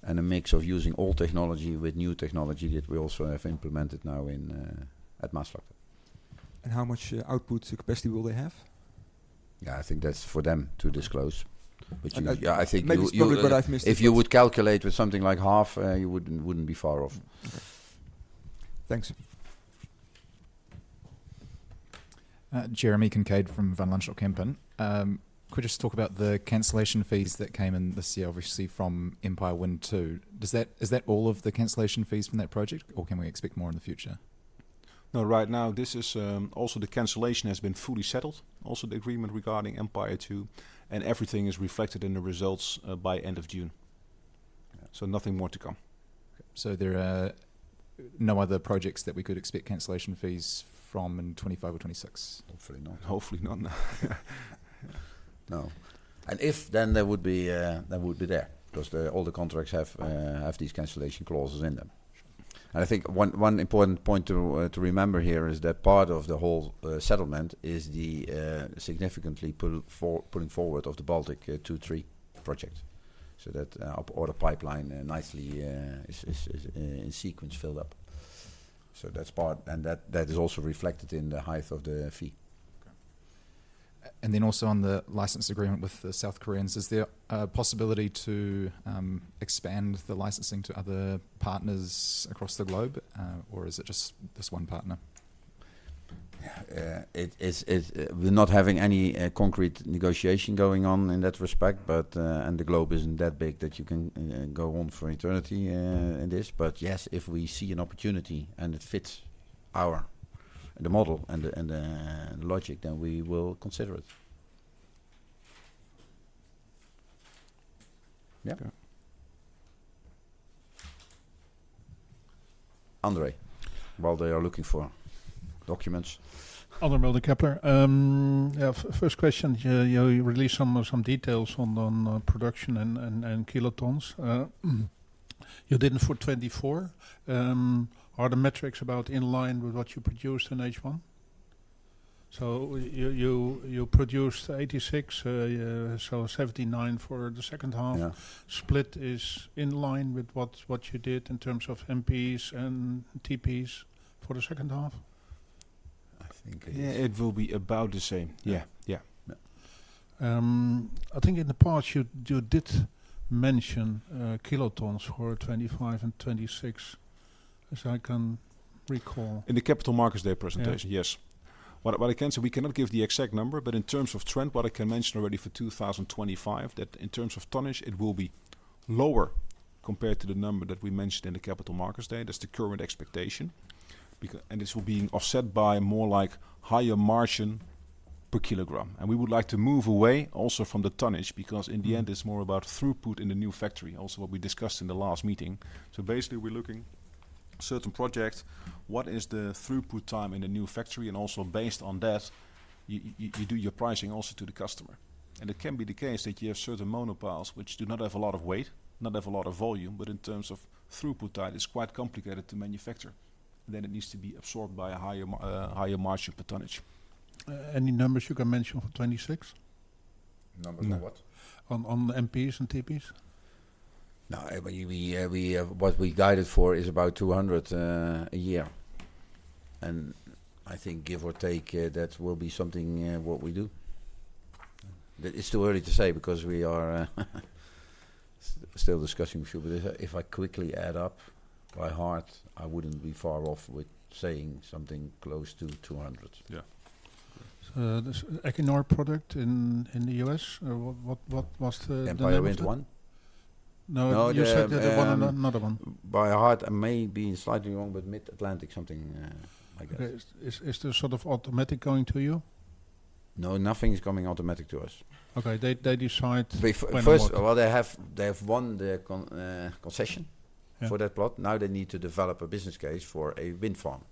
and a mix of using old technology with new technology that we also have implemented now in at Maasvlakte. How much output capacity will they have? Yeah, I think that's for them to disclose. But you- And maybe- Yeah, I think you-... but I've missed it. If you would calculate with something like half, you wouldn't be far off. Thanks. Jeremy Kincaid from Van Lanschot Kempen. Could you just talk about the cancellation fees that came in this year, obviously, from Empire Wind Two? Is that all of the cancellation fees from that project, or can we expect more in the future? No, right now, this is. Also, the cancellation has been fully settled, also the agreement regarding Empire Wind 2, and everything is reflected in the results by end of June. Yeah. So nothing more to come. So there are no other projects that we could expect cancellation fees from in twenty-five or twenty-six? Hopefully not. Hopefully not, no. No. And if then there would be that would be there, because all the contracts have these cancellation clauses in them. Sure. I think one important point to remember here is that part of the whole settlement is the significantly pulling forward of the Baltic Power project. That order pipeline nicely is in sequence filled up. That's part, and that is also reflected in the height of the fee. Okay. And then also on the license agreement with the South Koreans, is there a possibility to expand the licensing to other partners across the globe, or is it just this one partner? Yeah, it is. We're not having any concrete negotiation going on in that respect, but, and the globe isn't that big that you can go on for eternity in this. But yes, if we see an opportunity and it FIDs our- the model and the, and the logic, then we will consider it. Yeah. Okay. Andre, while they are looking for documents. Andre Mulder, Kepler Cheuvreux. First question, you know, you released some details on the production and kilotons. You did it for 24. Are the metrics about in line with what you produced in H1? So you produced 86, so 79 for the second half. Yeah. Split is in line with what, what you did in terms of MPs and TPs for the second half? I think it's Yeah, it will be about the same. Yeah. Yeah, yeah. Yeah. I think in the past you did mention kilotons for 2025 and 2026, as I can recall. In the Capital Markets Day presentation? Yeah. Yes. What I can say, we cannot give the exact number, but in terms of trend, what I can mention already for 2025, that in terms of tonnage, it will be lower compared to the number that we mentioned in the Capital Markets Day. That's the current expectation, and this will be offset by more like higher margin per kilogram. And we would like to move away also from the tonnage, because in the end, it's more about throughput in the new factory, also what we discussed in the last meeting. So basically, we're looking certain projects, what is the throughput time in the new factory? And also based on that, you do your pricing also to the customer. And it can be the case that you have certain monopiles which do not have a lot of weight, not have a lot of volume, but in terms of throughput time, it's quite complicated to manufacture. Then it needs to be absorbed by a higher margin per tonnage. Any numbers you can mention for 2026? Numbers for what? On the MPs and TPs? ...No, what we guided for is about two hundred a year, and I think give or take, that will be something what we do, but it's too early to say because we are still discussing a few, but if I quickly add up by heart, I wouldn't be far off with saying something close to two hundred. Yeah. So, this Equinor project in the U.S., what was the- Empire Wind 1? No, you said- No, yeah, There was one and another one. By heart, I may be slightly wrong, but Mid-Atlantic something, I guess. Okay. Is this sort of automatic going to you? No, nothing is coming automatically to us. Okay. They decide when- They first, well, they have won the concession- Yeah... for that plot. Now they need to develop a business case for a wind farm.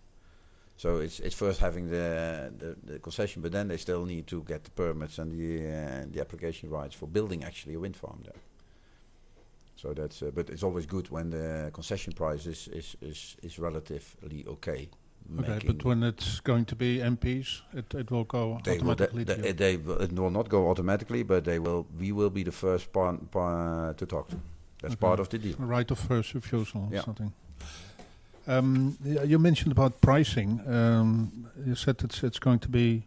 So it's first having the concession, but then they still need to get the permits and the application rights for building actually a wind farm there. So that's... But it's always good when the concession price is relatively okay, making- But when it's going to be MPs, it will go automatically to you. It will not go automatically, but they will. We will be the first party to talk to, as part of the deal. Right of first refusal or something. Yeah. Yeah, you mentioned about pricing. You said it's going to be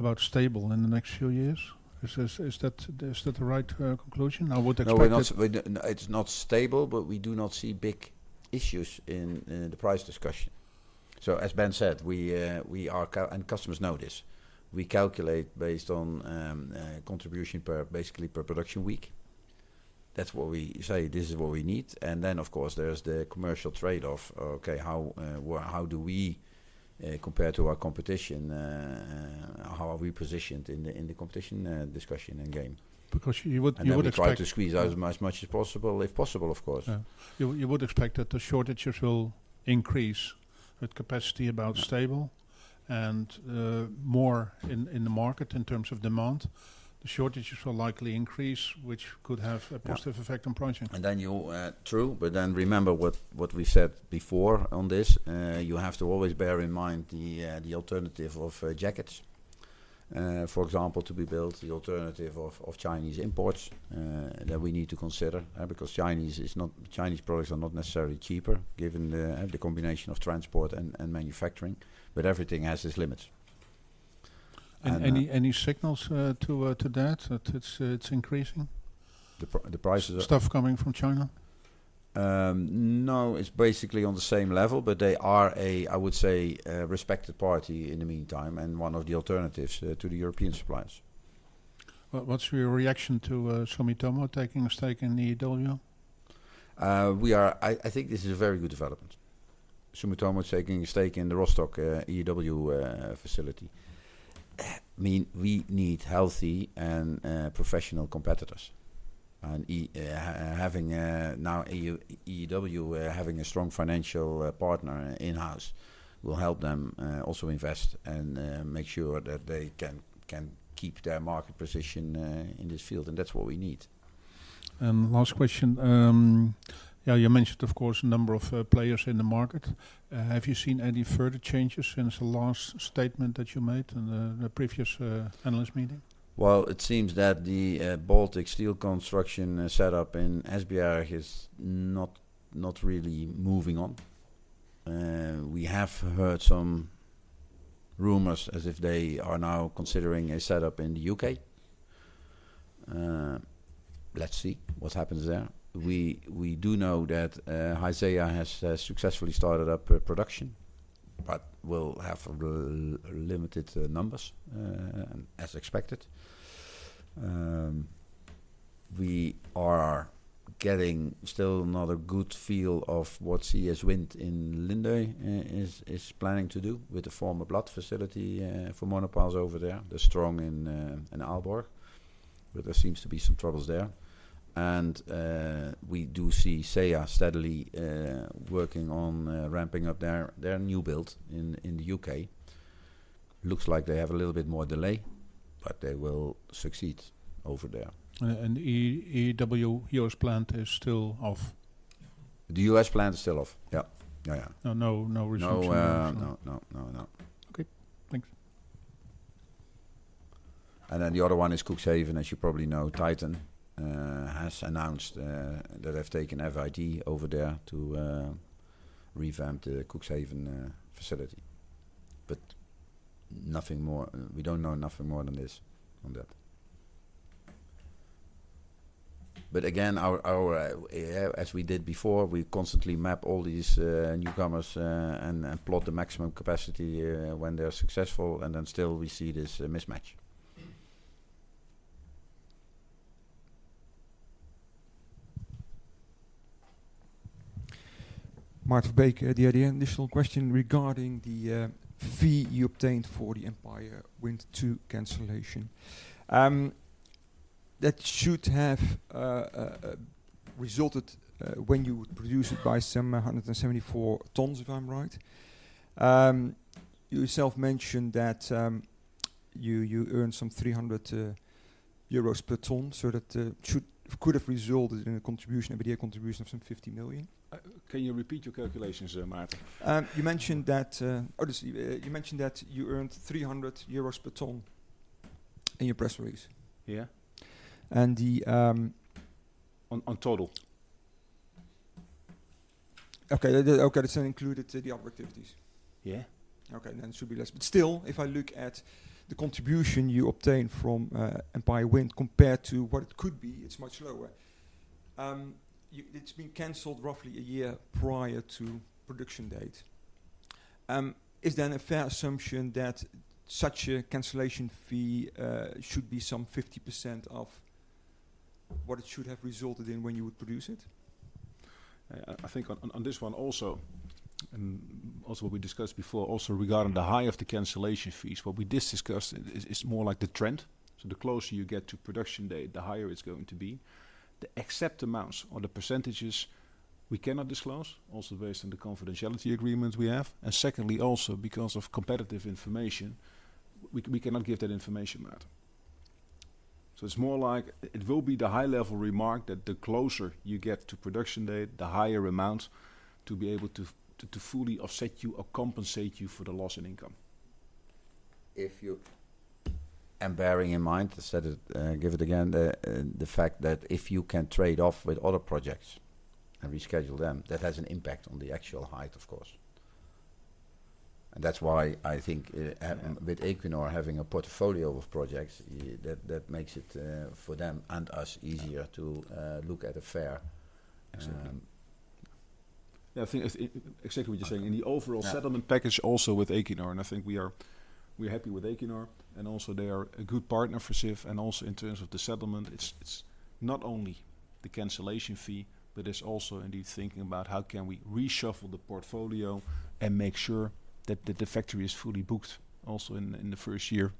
about stable in the next few years. Is that the right conclusion? I would expect that- No, we're not. It's not stable, but we do not see big issues in the price discussion. So as Ben said, customers know this. We calculate based on contribution per, basically per production week. That's what we say, this is what we need. And then, of course, there's the commercial trade-off. Okay, how do we compare to our competition? How are we positioned in the competition discussion and game? Because you would expect- And then we try to squeeze out as much as possible, if possible, of course. Yeah. You would expect that the shortages will increase, with capacity about stable and more in the market in terms of demand. The shortages will likely increase, which could have a positive effect on pricing. And then you'll. True, but then remember what we said before on this. You have to always bear in mind the alternative of jackets. For example, to be built, the alternative of Chinese imports that we need to consider, because Chinese is not-- Chinese products are not necessarily cheaper, given the combination of transport and manufacturing, but everything has its limits. And And any signals to that it's increasing? The prices are- Stuff coming from China. No, it's basically on the same level, but they are a, I would say, a respected party in the meantime, and one of the alternatives to the European suppliers. What, what's your reaction to Sumitomo taking a stake in EEW? I think this is a very good development. Sumitomo taking a stake in the Rostock EEW facility. I mean, we need healthy and professional competitors. And now EEW having a strong financial partner in-house will help them also invest and make sure that they can keep their market position in this field, and that's what we need. And last question. Yeah, you mentioned, of course, a number of players in the market. Have you seen any further changes since the last statement that you made in the previous analyst meeting? It seems that the Bladt Industries set up in Esbjerg is not, not really moving on. We have heard some rumors as if they are now considering a setup in theU.K. Let's see what happens there. We do know But Haizea has successfully started up production, but will have limited numbers as expected. We are getting still not a good feel of what CS Wind in Lindø is planning to do with the former Bladt facility for monopiles over there. They're strong in Aalborg, but there seems to be some troubles there, and we do see SeAH steadily working on ramping up their new build in theU.K. Looks like they have a little bit more delay, but they will succeed over there. And EEW U.S. plant is still off? The U.S. plant is still off. Yeah. Yeah, yeah. No, no, no resumption- No, no, no, no. Okay, thanks. And then the other one is Cuxhaven. As you probably know, Titan has announced that they've taken FID over there to revamp the Cuxhaven facility. But nothing more. We don't know nothing more than this on that. But again, as we did before, we constantly map all these newcomers and plot the maximum capacity when they are successful, and then still we see this mismatch. Martijn Bakker, DNV. Initial question regarding the fee you obtained for the Empire Wind 2 cancellation. That should have resulted when you would produce it by some 174 tons, if I'm right. You yourself mentioned that you earned some 300 euros per ton, so that could have resulted in a contribution, EBITDA contribution of some 50 million. Can you repeat your calculations, Martijn? You mentioned that, obviously, you earned 300 euros per ton.... in your press release? Yeah. And the On total. Okay, this included the other activities? Yeah. Okay, then it should be less. But still, if I look at the contribution you obtained from Empire Wind compared to what it could be, it's much lower. It's been canceled roughly a year prior to production date. Is that a fair assumption that such a cancellation fee should be some 50% of what it should have resulted in when you would produce it? I think on this one also, also what we discussed before, also regarding the high of the cancellation fees, what we did discuss is more like the trend. So the closer you get to production date, the higher it's going to be. The exact amounts or the percentages we cannot disclose, also based on the confidentiality agreements we have, and secondly, also because of competitive information, we cannot give that information out. So it's more like... It will be the high-level remark that the closer you get to production date, the higher amount to be able to fully offset you or compensate you for the loss in income. If you-- And bearing in mind, I said it, give it again, the fact that if you can trade off with other projects and reschedule them, that has an impact on the actual height, of course. And that's why I think, with Equinor having a portfolio of projects, that, that makes it for them and us easier- Yeah... to look at a fair Exactly. Yeah, I think it's exactly what you're saying. In the overall- Yeah... settlement package, also with Equinor, and I think we are, we're happy with Equinor, and also they are a good partner for Sif and also in terms of the settlement. It's, it's not only the cancellation fee, but it's also indeed thinking about how can we reshuffle the portfolio and make sure that the, the factory is fully booked also in, in the first year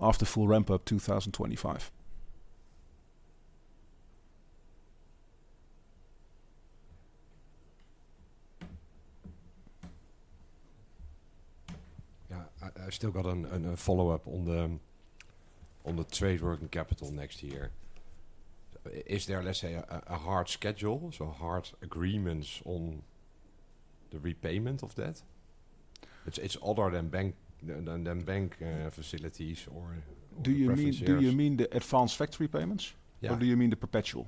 after full ramp-up, two thousand and twenty-five. Yeah. I still got a follow-up on the trade working capital next year. Is there, let's say, a hard schedule, so hard agreements on the repayment of that? It's other than bank facilities or preferences. Do you mean the advanced factory payments? Yeah. Or do you mean the perpetual?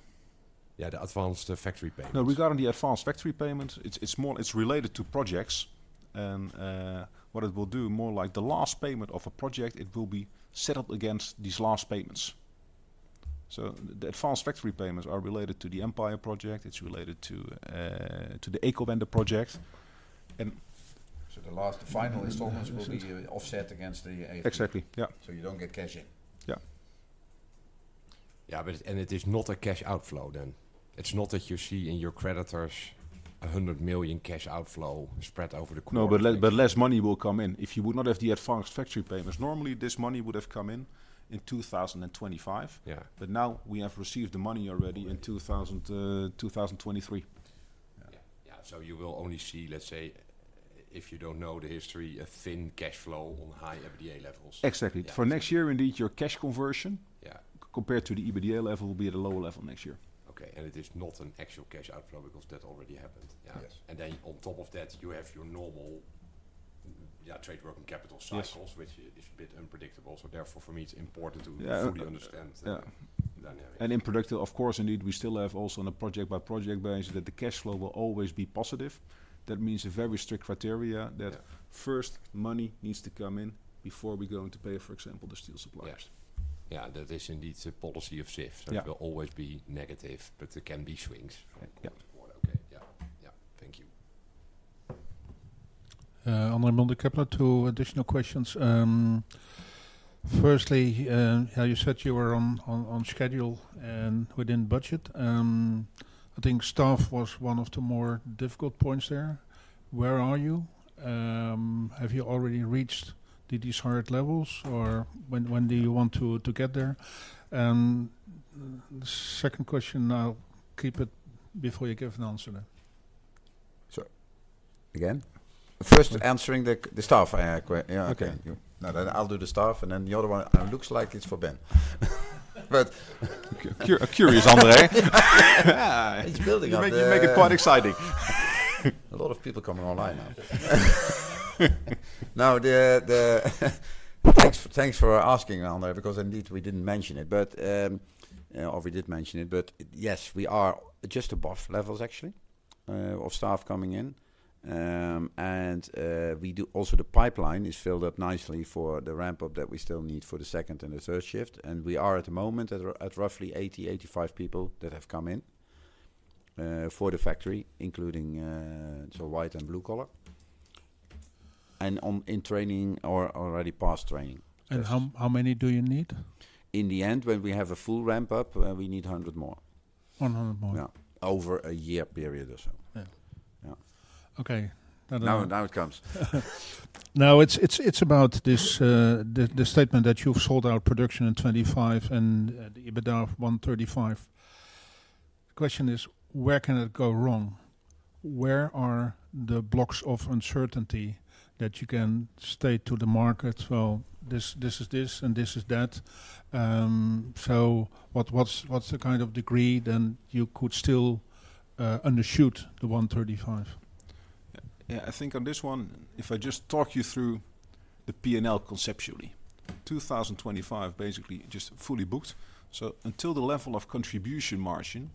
Yeah, the advanced factory payments. Now, regarding the advanced factory payments, it's more. It's related to projects, and what it will do, more like the last payment of a project, it will be set up against these last payments. So the advanced factory payments are related to the Empire project. It's related to the Ecowende project, and- So the last, the final installments will be offset against the AF. Exactly, yeah. So you don't get cash in? Yeah. Yeah, but and it is not a cash outflow then? It's not that you see in your creditors a hundred million cash outflow spread over the quarter. No, but less money will come in. If you would not have the advanced factory payments, normally this money would have come in, in 2025. Yeah. But now we have received the money already in two thousand and twenty-three. Yeah. Yeah. Yeah, so you will only see, let's say, if you don't know the history, a thin cash flow on high EBITDA levels. Exactly. Yeah. For next year, indeed, your cash conversion- Yeah... compared to the EBITDA level, will be at a lower level next year. Okay, and it is not an actual cash outflow because that already happened. Yeah. Yes. Then on top of that, you have your normal, yeah, trade working capital cycles. Yes... which is a bit unpredictable. So therefore, for me, it's important to- Yeah.... fully understand the dynamic. And unpredictable, of course. Indeed, we still have also on a project-by-project basis that the cash flow will always be positive. That means a very strict criteria- Yeah... that first money needs to come in before we going to pay, for example, the steel suppliers. Yes. Yeah, that is indeed the policy of Sif. Yeah. So it will always be negative, but there can be swings from- Yeah... quarter to quarter. Okay. Yeah. Yeah. Thank you. Andre Mulder, Kepler. Two additional questions. Firstly, how you said you were on schedule and within budget. I think staff was one of the more difficult points there. Where are you? Have you already reached the desired levels, or when do you want to get there? The second question, I'll keep it before you give an answer then. So again, first answering the staff question. Okay. Yeah, thank you. No, then I'll do the staff, and then the other one, looks like it's for Ben. But- Cu-curious, Andre. Yeah, he's building up the, You make it, you make it quite exciting. A lot of people coming online now. Thanks for asking, Andre, because indeed, we didn't mention it, but or we did mention it, but yes, we are just above levels actually of staff coming in. Also, the pipeline is filled up nicely for the ramp-up that we still need for the second and the third shift, and we are at the moment at roughly 80-85 people that have come in for the factory, including so white and blue collar, and in training or already passed training. How many do you need? In the end, when we have a full ramp-up, we need hundred more. 100 more? Yeah, over a year period or so. Yeah. Yeah. Okay, that- Now, now it comes. Now, it's about this, the statement that you've sold out production in 2025 and the EBITDA of 135. The question is: where can it go wrong? Where are the blocks of uncertainty that you can state to the market? Well, this is this, and this is that. So what's the kind of degree then you could still undershoot the 135?... Yeah, I think on this one, if I just talk you through the P&L conceptually. 2025, basically just fully booked. So up until the level of contribution margin,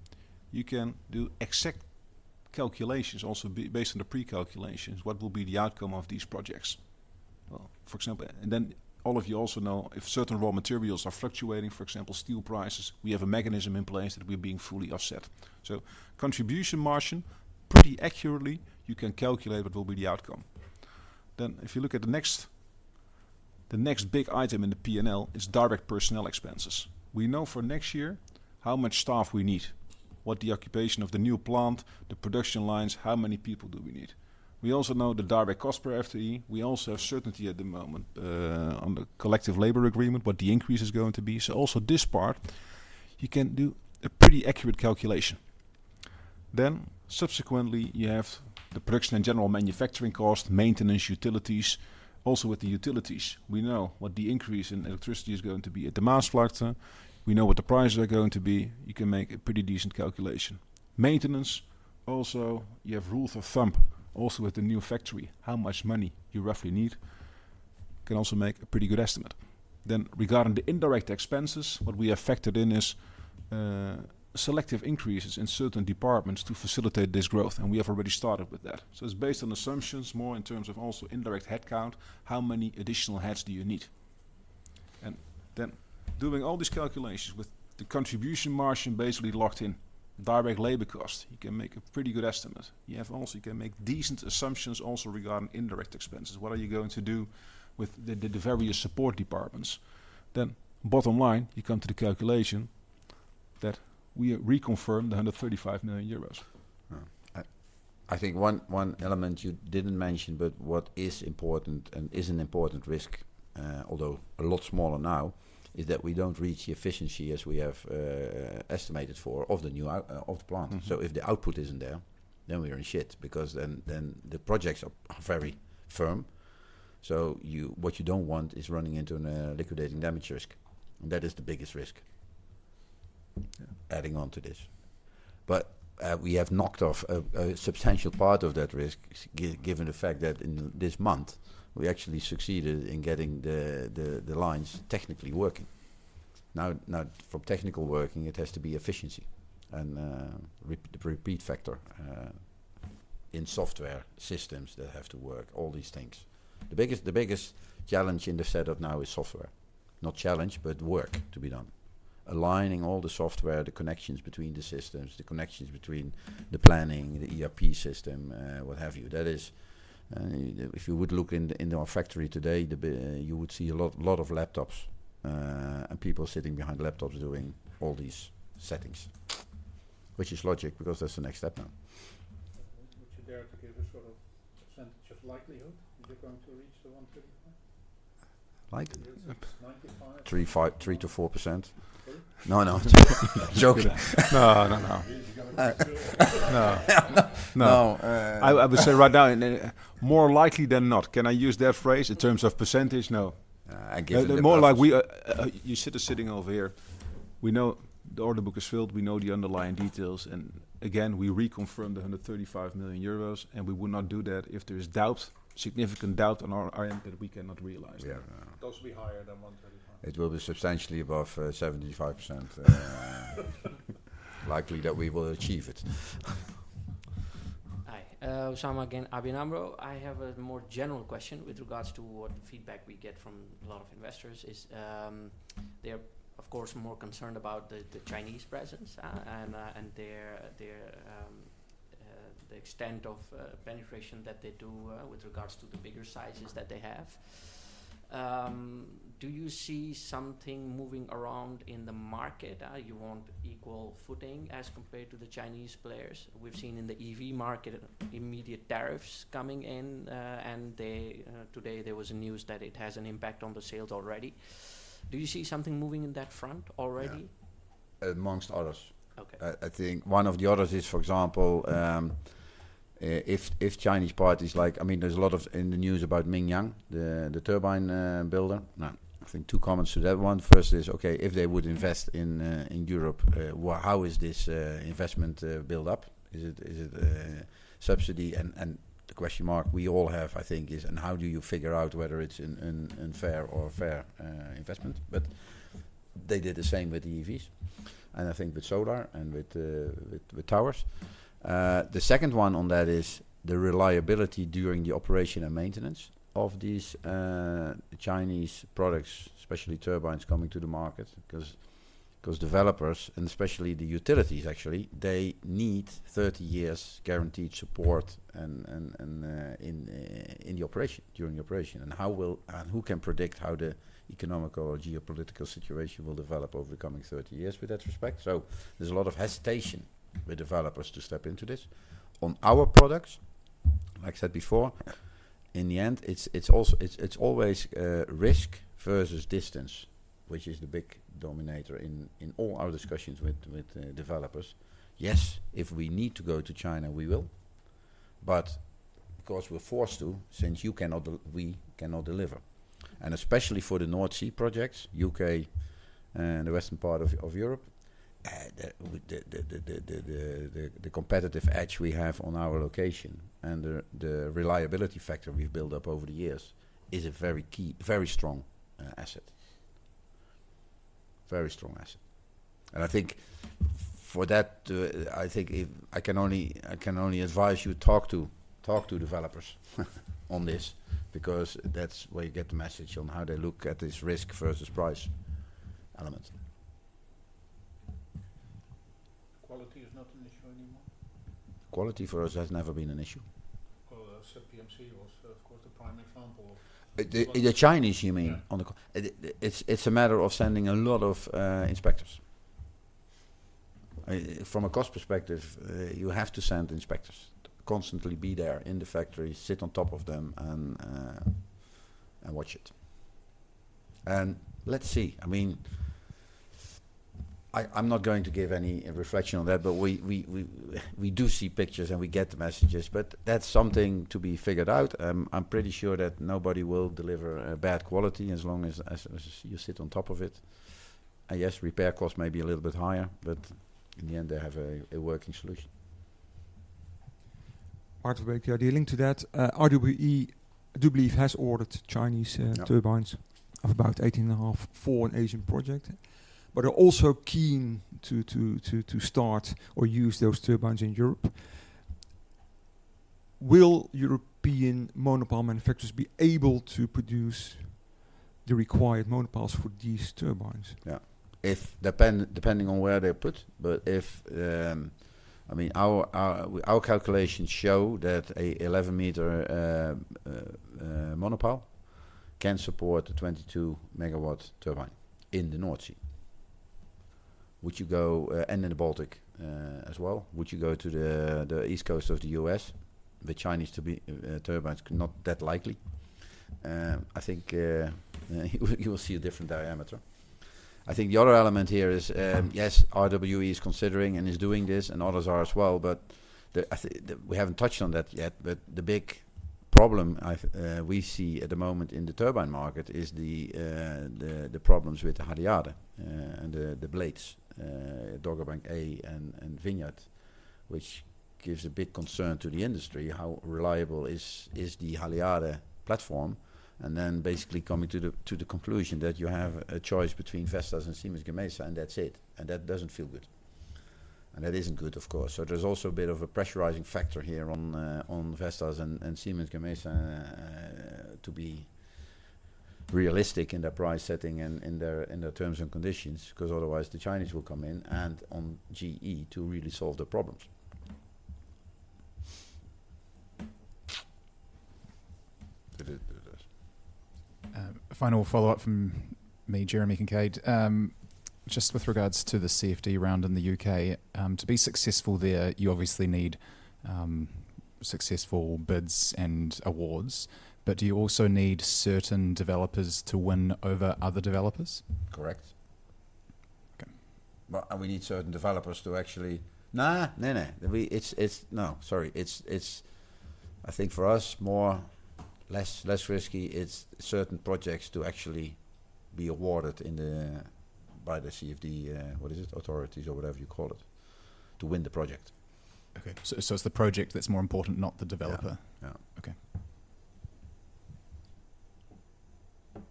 you can do exact calculations, also based on the pre-calculations, what will be the outcome of these projects? Well, for example, and then all of you also know, if certain raw materials are fluctuating, for example, steel prices, we have a mechanism in place that we're being fully offset. So contribution margin, pretty accurately, you can calculate what will be the outcome. Then if you look at the next big item in the P&L is direct personnel expenses. We know for next year how much staff we need, what the occupation of the new plant, the production lines, how many people do we need? We also know the direct cost per FTE. We also have certainty at the moment on the collective labor agreement, what the increase is going to be. So also this part, you can do a pretty accurate calculation. Then subsequently, you have the production and general manufacturing cost, maintenance, utilities. Also, with the utilities, we know what the increase in electricity is going to be at the Maasvlakte. We know what the prices are going to be. You can make a pretty decent calculation. Maintenance also, you have rules of thumb. Also, with the new factory, how much money you roughly need, can also make a pretty good estimate. Then regarding the indirect expenses, what we have factored in is selective increases in certain departments to facilitate this growth, and we have already started with that. So it's based on assumptions, more in terms of also indirect headcount, how many additional heads do you need? And then doing all these calculations with the contribution margin, basically locked in direct labor cost, you can make a pretty good estimate. You have also, you can make decent assumptions also regarding indirect expenses. What are you going to do with the various support departments? Then bottom line, you come to the calculation that we reconfirmed 135 million euros. Yeah. I think one element you didn't mention, but what is important and is an important risk, although a lot smaller now, is that we don't reach the efficiency as we have estimated for the new output of the plant. Mm-hmm. If the output isn't there, then we are in shit, because then the projects are very firm. So you what you don't want is running into a liquidated damages risk, and that is the biggest risk. Yeah... adding on to this. But we have knocked off a substantial part of that risk, given the fact that in this month, we actually succeeded in getting the lines technically working. Now, from technical working, it has to be efficiency and repeat factor in software systems that have to work, all these things. The biggest challenge in the setup now is software. Not challenge, but work to be done. Aligning all the software, the connections between the systems, the connections between the planning, the ERP system, what have you. That is, if you would look in our factory today, you would see a lot of laptops and people sitting behind laptops doing all these settings, which is logical, because that's the next step now. Would you dare to give a sort of percentage of likelihood? Is it going to reach the one thirty-five? Likely- Ninety-five? 3.5, 3%-4%. Sorry? No, no, joking. No, no, no. You got to... No. No. I would say right now, and then more likely than not, can I use that phrase in terms of percentage? No. I give it- More like we know the order book is filled, we know the underlying details, and again, we reconfirmed 135 million euros, and we would not do that if there is doubt, significant doubt on our end, that we cannot realize that. Yeah. It does be higher than 135. It will be substantially above 75%, likely that we will achieve it. Hi, Usama again, ABN AMRO. I have a more general question with regards to what feedback we get from a lot of investors is, they are, of course, more concerned about the Chinese presence, and their, the extent of penetration that they do, with regards to the bigger sizes that they have. Do you see something moving around in the market, you want equal footing as compared to the Chinese players? We've seen in the EV market, immediate tariffs coming in, and they, today there was a news that it has an impact on the sales already. Do you see something moving in that front already? Yeah. Amongst others. Okay. I think one of the others is, for example, if Chinese parties like... I mean, there's a lot of in the news about Mingyang, the turbine builder. Now, I think two comments to that one. First is, okay, if they would invest in Europe, well, how is this investment built up? Is it subsidy? And the question mark we all have, I think, is, and how do you figure out whether it's a fair or unfair investment? But they did the same with the EVs, and I think with solar and with towers. The second one on that is the reliability during the operation and maintenance of these Chinese products, especially turbines coming to the market. Because developers, and especially the utilities, actually, they need thirty years guaranteed support and in the operation, during the operation. And who can predict how the economic or geopolitical situation will develop over the coming thirty years with that respect? So there's a lot of hesitation with developers to step into this. On our products, like I said before, in the end, it's also always risk versus distance, which is the big dominator in all our discussions with developers. Yes, if we need to go to China, we will, but because we're forced to, since we cannot deliver. And especially for the North Sea projects, U.K., and the western part of Europe... The competitive edge we have on our location and the reliability factor we've built up over the years is a very key, very strong asset. Very strong asset. And I think for that, I think if I can only advise you to talk to developers on this, because that's where you get the message on how they look at this risk versus price element. Quality is not an issue anymore? Quality for us has never been an issue. ZPMC was, of course, the prime example of- the Chinese, you mean- Yeah... on the co- the, it's a matter of sending a lot of inspectors. From a cost perspective, you have to send inspectors to constantly be there in the factory, sit on top of them, and watch it. And let's see, I mean, I'm not going to give any reflection on that, but we do see pictures, and we get the messages, but that's something to be figured out. I'm pretty sure that nobody will deliver a bad quality as long as you sit on top of it. And yes, repair cost may be a little bit higher, but in the end, they have a working solution. Aart Bijleveld, the link to that, RWE, I do believe, has ordered Chinese, Yeah... turbines of about 18.5 for an Asian project, but are also keen to start or use those turbines in Europe. Will European monopile manufacturers be able to produce the required monopiles for these turbines? Yeah. If depending on where they're put, but if, I mean, our calculations show that an 11-meter monopile can support a 22-megawatt turbine in the North Sea. Would you go and in the Baltic as well. Would you go to the east coast of the U.S., the Chinese turbines, not that likely. I think you will see a different diameter. I think the other element here is, yes, RWE is considering and is doing this, and others are as well, but the issue we haven't touched on that yet, but the big problem I've... We see at the moment in the turbine market is the problems with the Haliade and the blades, Dogger Bank A and Vineyard, which gives a big concern to the industry, how reliable is the Haliade platform? And then basically coming to the conclusion that you have a choice between Vestas and Siemens Gamesa, and that's it. And that doesn't feel good, and that isn't good, of course. So there's also a bit of a pressurizing factor here on Vestas and Siemens Gamesa to be realistic in their price setting and in their terms and conditions, 'cause otherwise, the Chinese will come in and on GE to really solve the problems. It is. Final follow-up from me, Jeremy Kincaid. Just with regards to the CfD round in the U.K., to be successful there, you obviously need successful bids and awards, but do you also need certain developers to win over other developers? Correct. Okay. No, sorry, it's, I think for us, more less risky. It's certain projects to actually be awarded by the CfD authorities or whatever you call it, to win the project. Okay, so it's the project that's more important, not the developer? Yeah. Yeah. Okay.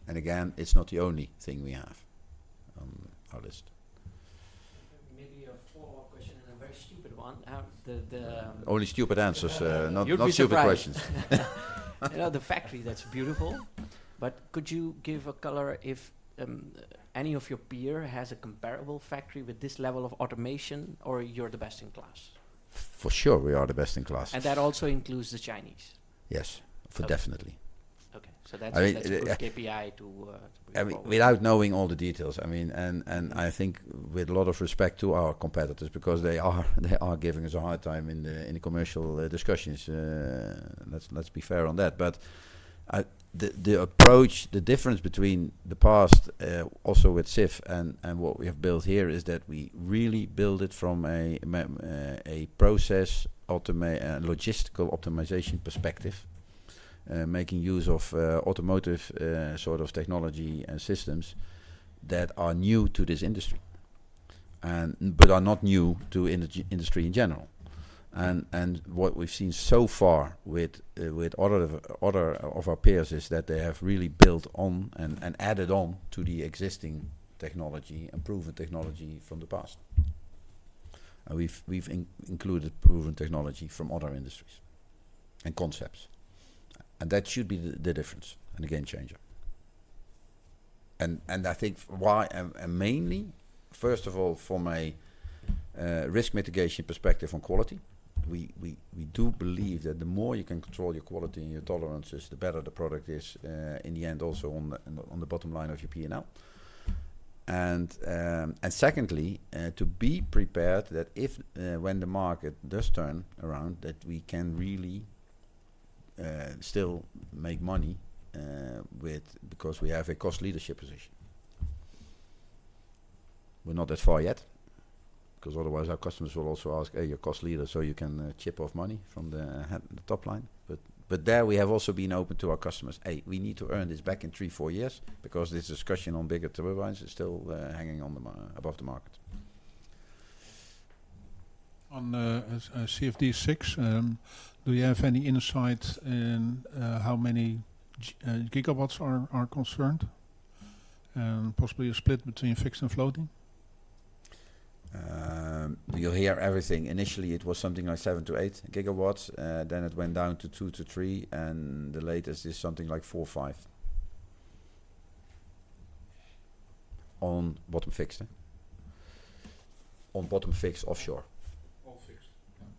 Again, it's not the only thing we have on our list. Maybe a follow-up question and a very stupid one. The- Only stupid answers, You'd be surprised. Not stupid questions. Yeah, the factory, that's beautiful. But could you give a color if any of your peer has a comparable factory with this level of automation, or you're the best in class? For sure, we are the best in class. That also includes the Chinese? Yes. So- For definitely. Okay. So that's- I mean, That's a good KPI to. I mean, without knowing all the details, I mean, and I think with a lot of respect to our competitors, because they are giving us a hard time in the commercial discussions. Let's be fair on that. But the approach, the difference between the past, also with Sif and what we have built here, is that we really build it from a process optimization, logistical optimization perspective, making use of automotive sort of technology and systems that are new to this industry but are not new to industry in general. And what we've seen so far with other of our peers, is that they have really built on and added on to the existing technology, and proven technology from the past. And we've included proven technology from other industries and concepts, and that should be the difference and a game changer. And I think why, and mainly, first of all, from a risk mitigation perspective on quality, we do believe that the more you can control your quality and your tolerances, the better the product is, in the end, also on the bottom line of your P&L. And, and secondly, to be prepared that if, when the market does turn around, that we can really still make money, with... because we have a cost leadership position. We're not that far yet, 'cause otherwise our customers will also ask, "Hey, you're cost leader, so you can chip off money from the top line." But there we have also been open to our customers, "Hey, we need to earn this back in three, four years, because this discussion on bigger turbines is still hanging above the market. ... On CfD six, do you have any insight in how many gigawatts are concerned? And possibly a split between fixed and floating? You'll hear everything. Initially, it was something like seven-to-eight gigawatts, then it went down to two-to-three, and the latest is something like four or five. On bottom-fixed, eh? On bottom-fixed offshore.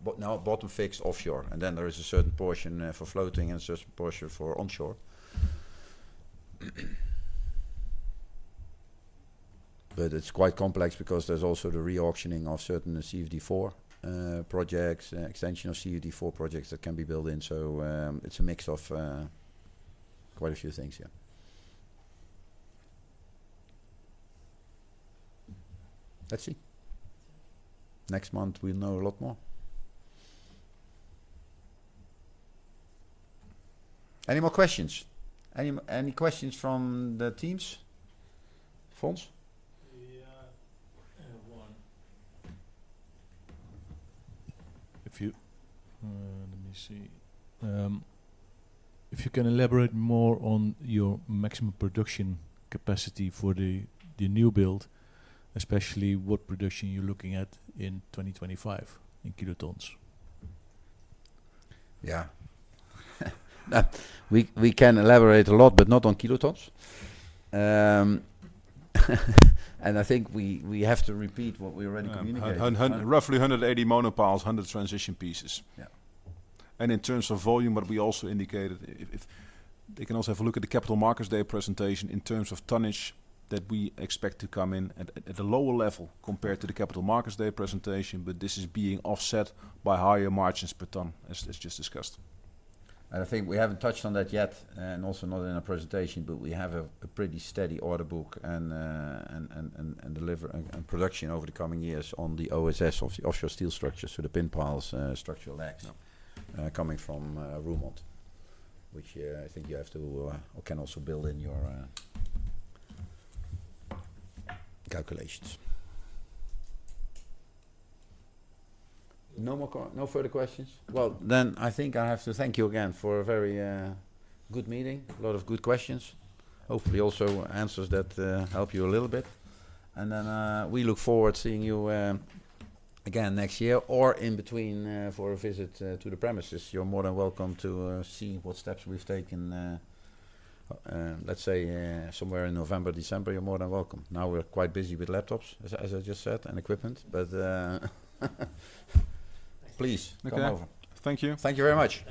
All fixed. But now bottom fixed offshore, and then there is a certain portion for floating and a certain portion for onshore. But it's quite complex because there's also the re-auctioning of certain CfD four projects, extension of CfD four projects that can be built in. So, it's a mix of quite a few things here. Let's see. Next month, we'll know a lot more. Any more questions? Any questions from the teams? Fons? Yeah. I have one. If you can elaborate more on your maximum production capacity for the new build, especially what production you're looking at in 2025, in kilotons. Yeah. We can elaborate a lot, but not on kilotons. And I think we have to repeat what we already communicated. Yeah. Roughly 180 monopiles, 100 transition pieces. Yeah. In terms of volume, what we also indicated, if they can also have a look at the Capital Markets Day presentation in terms of tonnage that we expect to come in at a lower level compared to the Capital Markets Day presentation, but this is being offset by higher margins per ton, as just discussed. And I think we haven't touched on that yet, and also not in our presentation, but we have a pretty steady order book and deliver and production over the coming years on the OSS, offshore steel structures, so the pin piles, structural legs- Yeah... coming from, Roermond, which, I think you have to, or can also build in your, calculations. No more questions? No further questions? Well, then I think I have to thank you again for a very good meeting. A lot of good questions. Hopefully, also answers that help you a little bit. And then, we look forward to seeing you again next year or in between for a visit to the premises. You're more than welcome to see what steps we've taken, let's say, somewhere in November, December, you're more than welcome. Now, we're quite busy with monopiles, as I just said, and equipment, but please come over. Okay. Thank you. Thank you very much.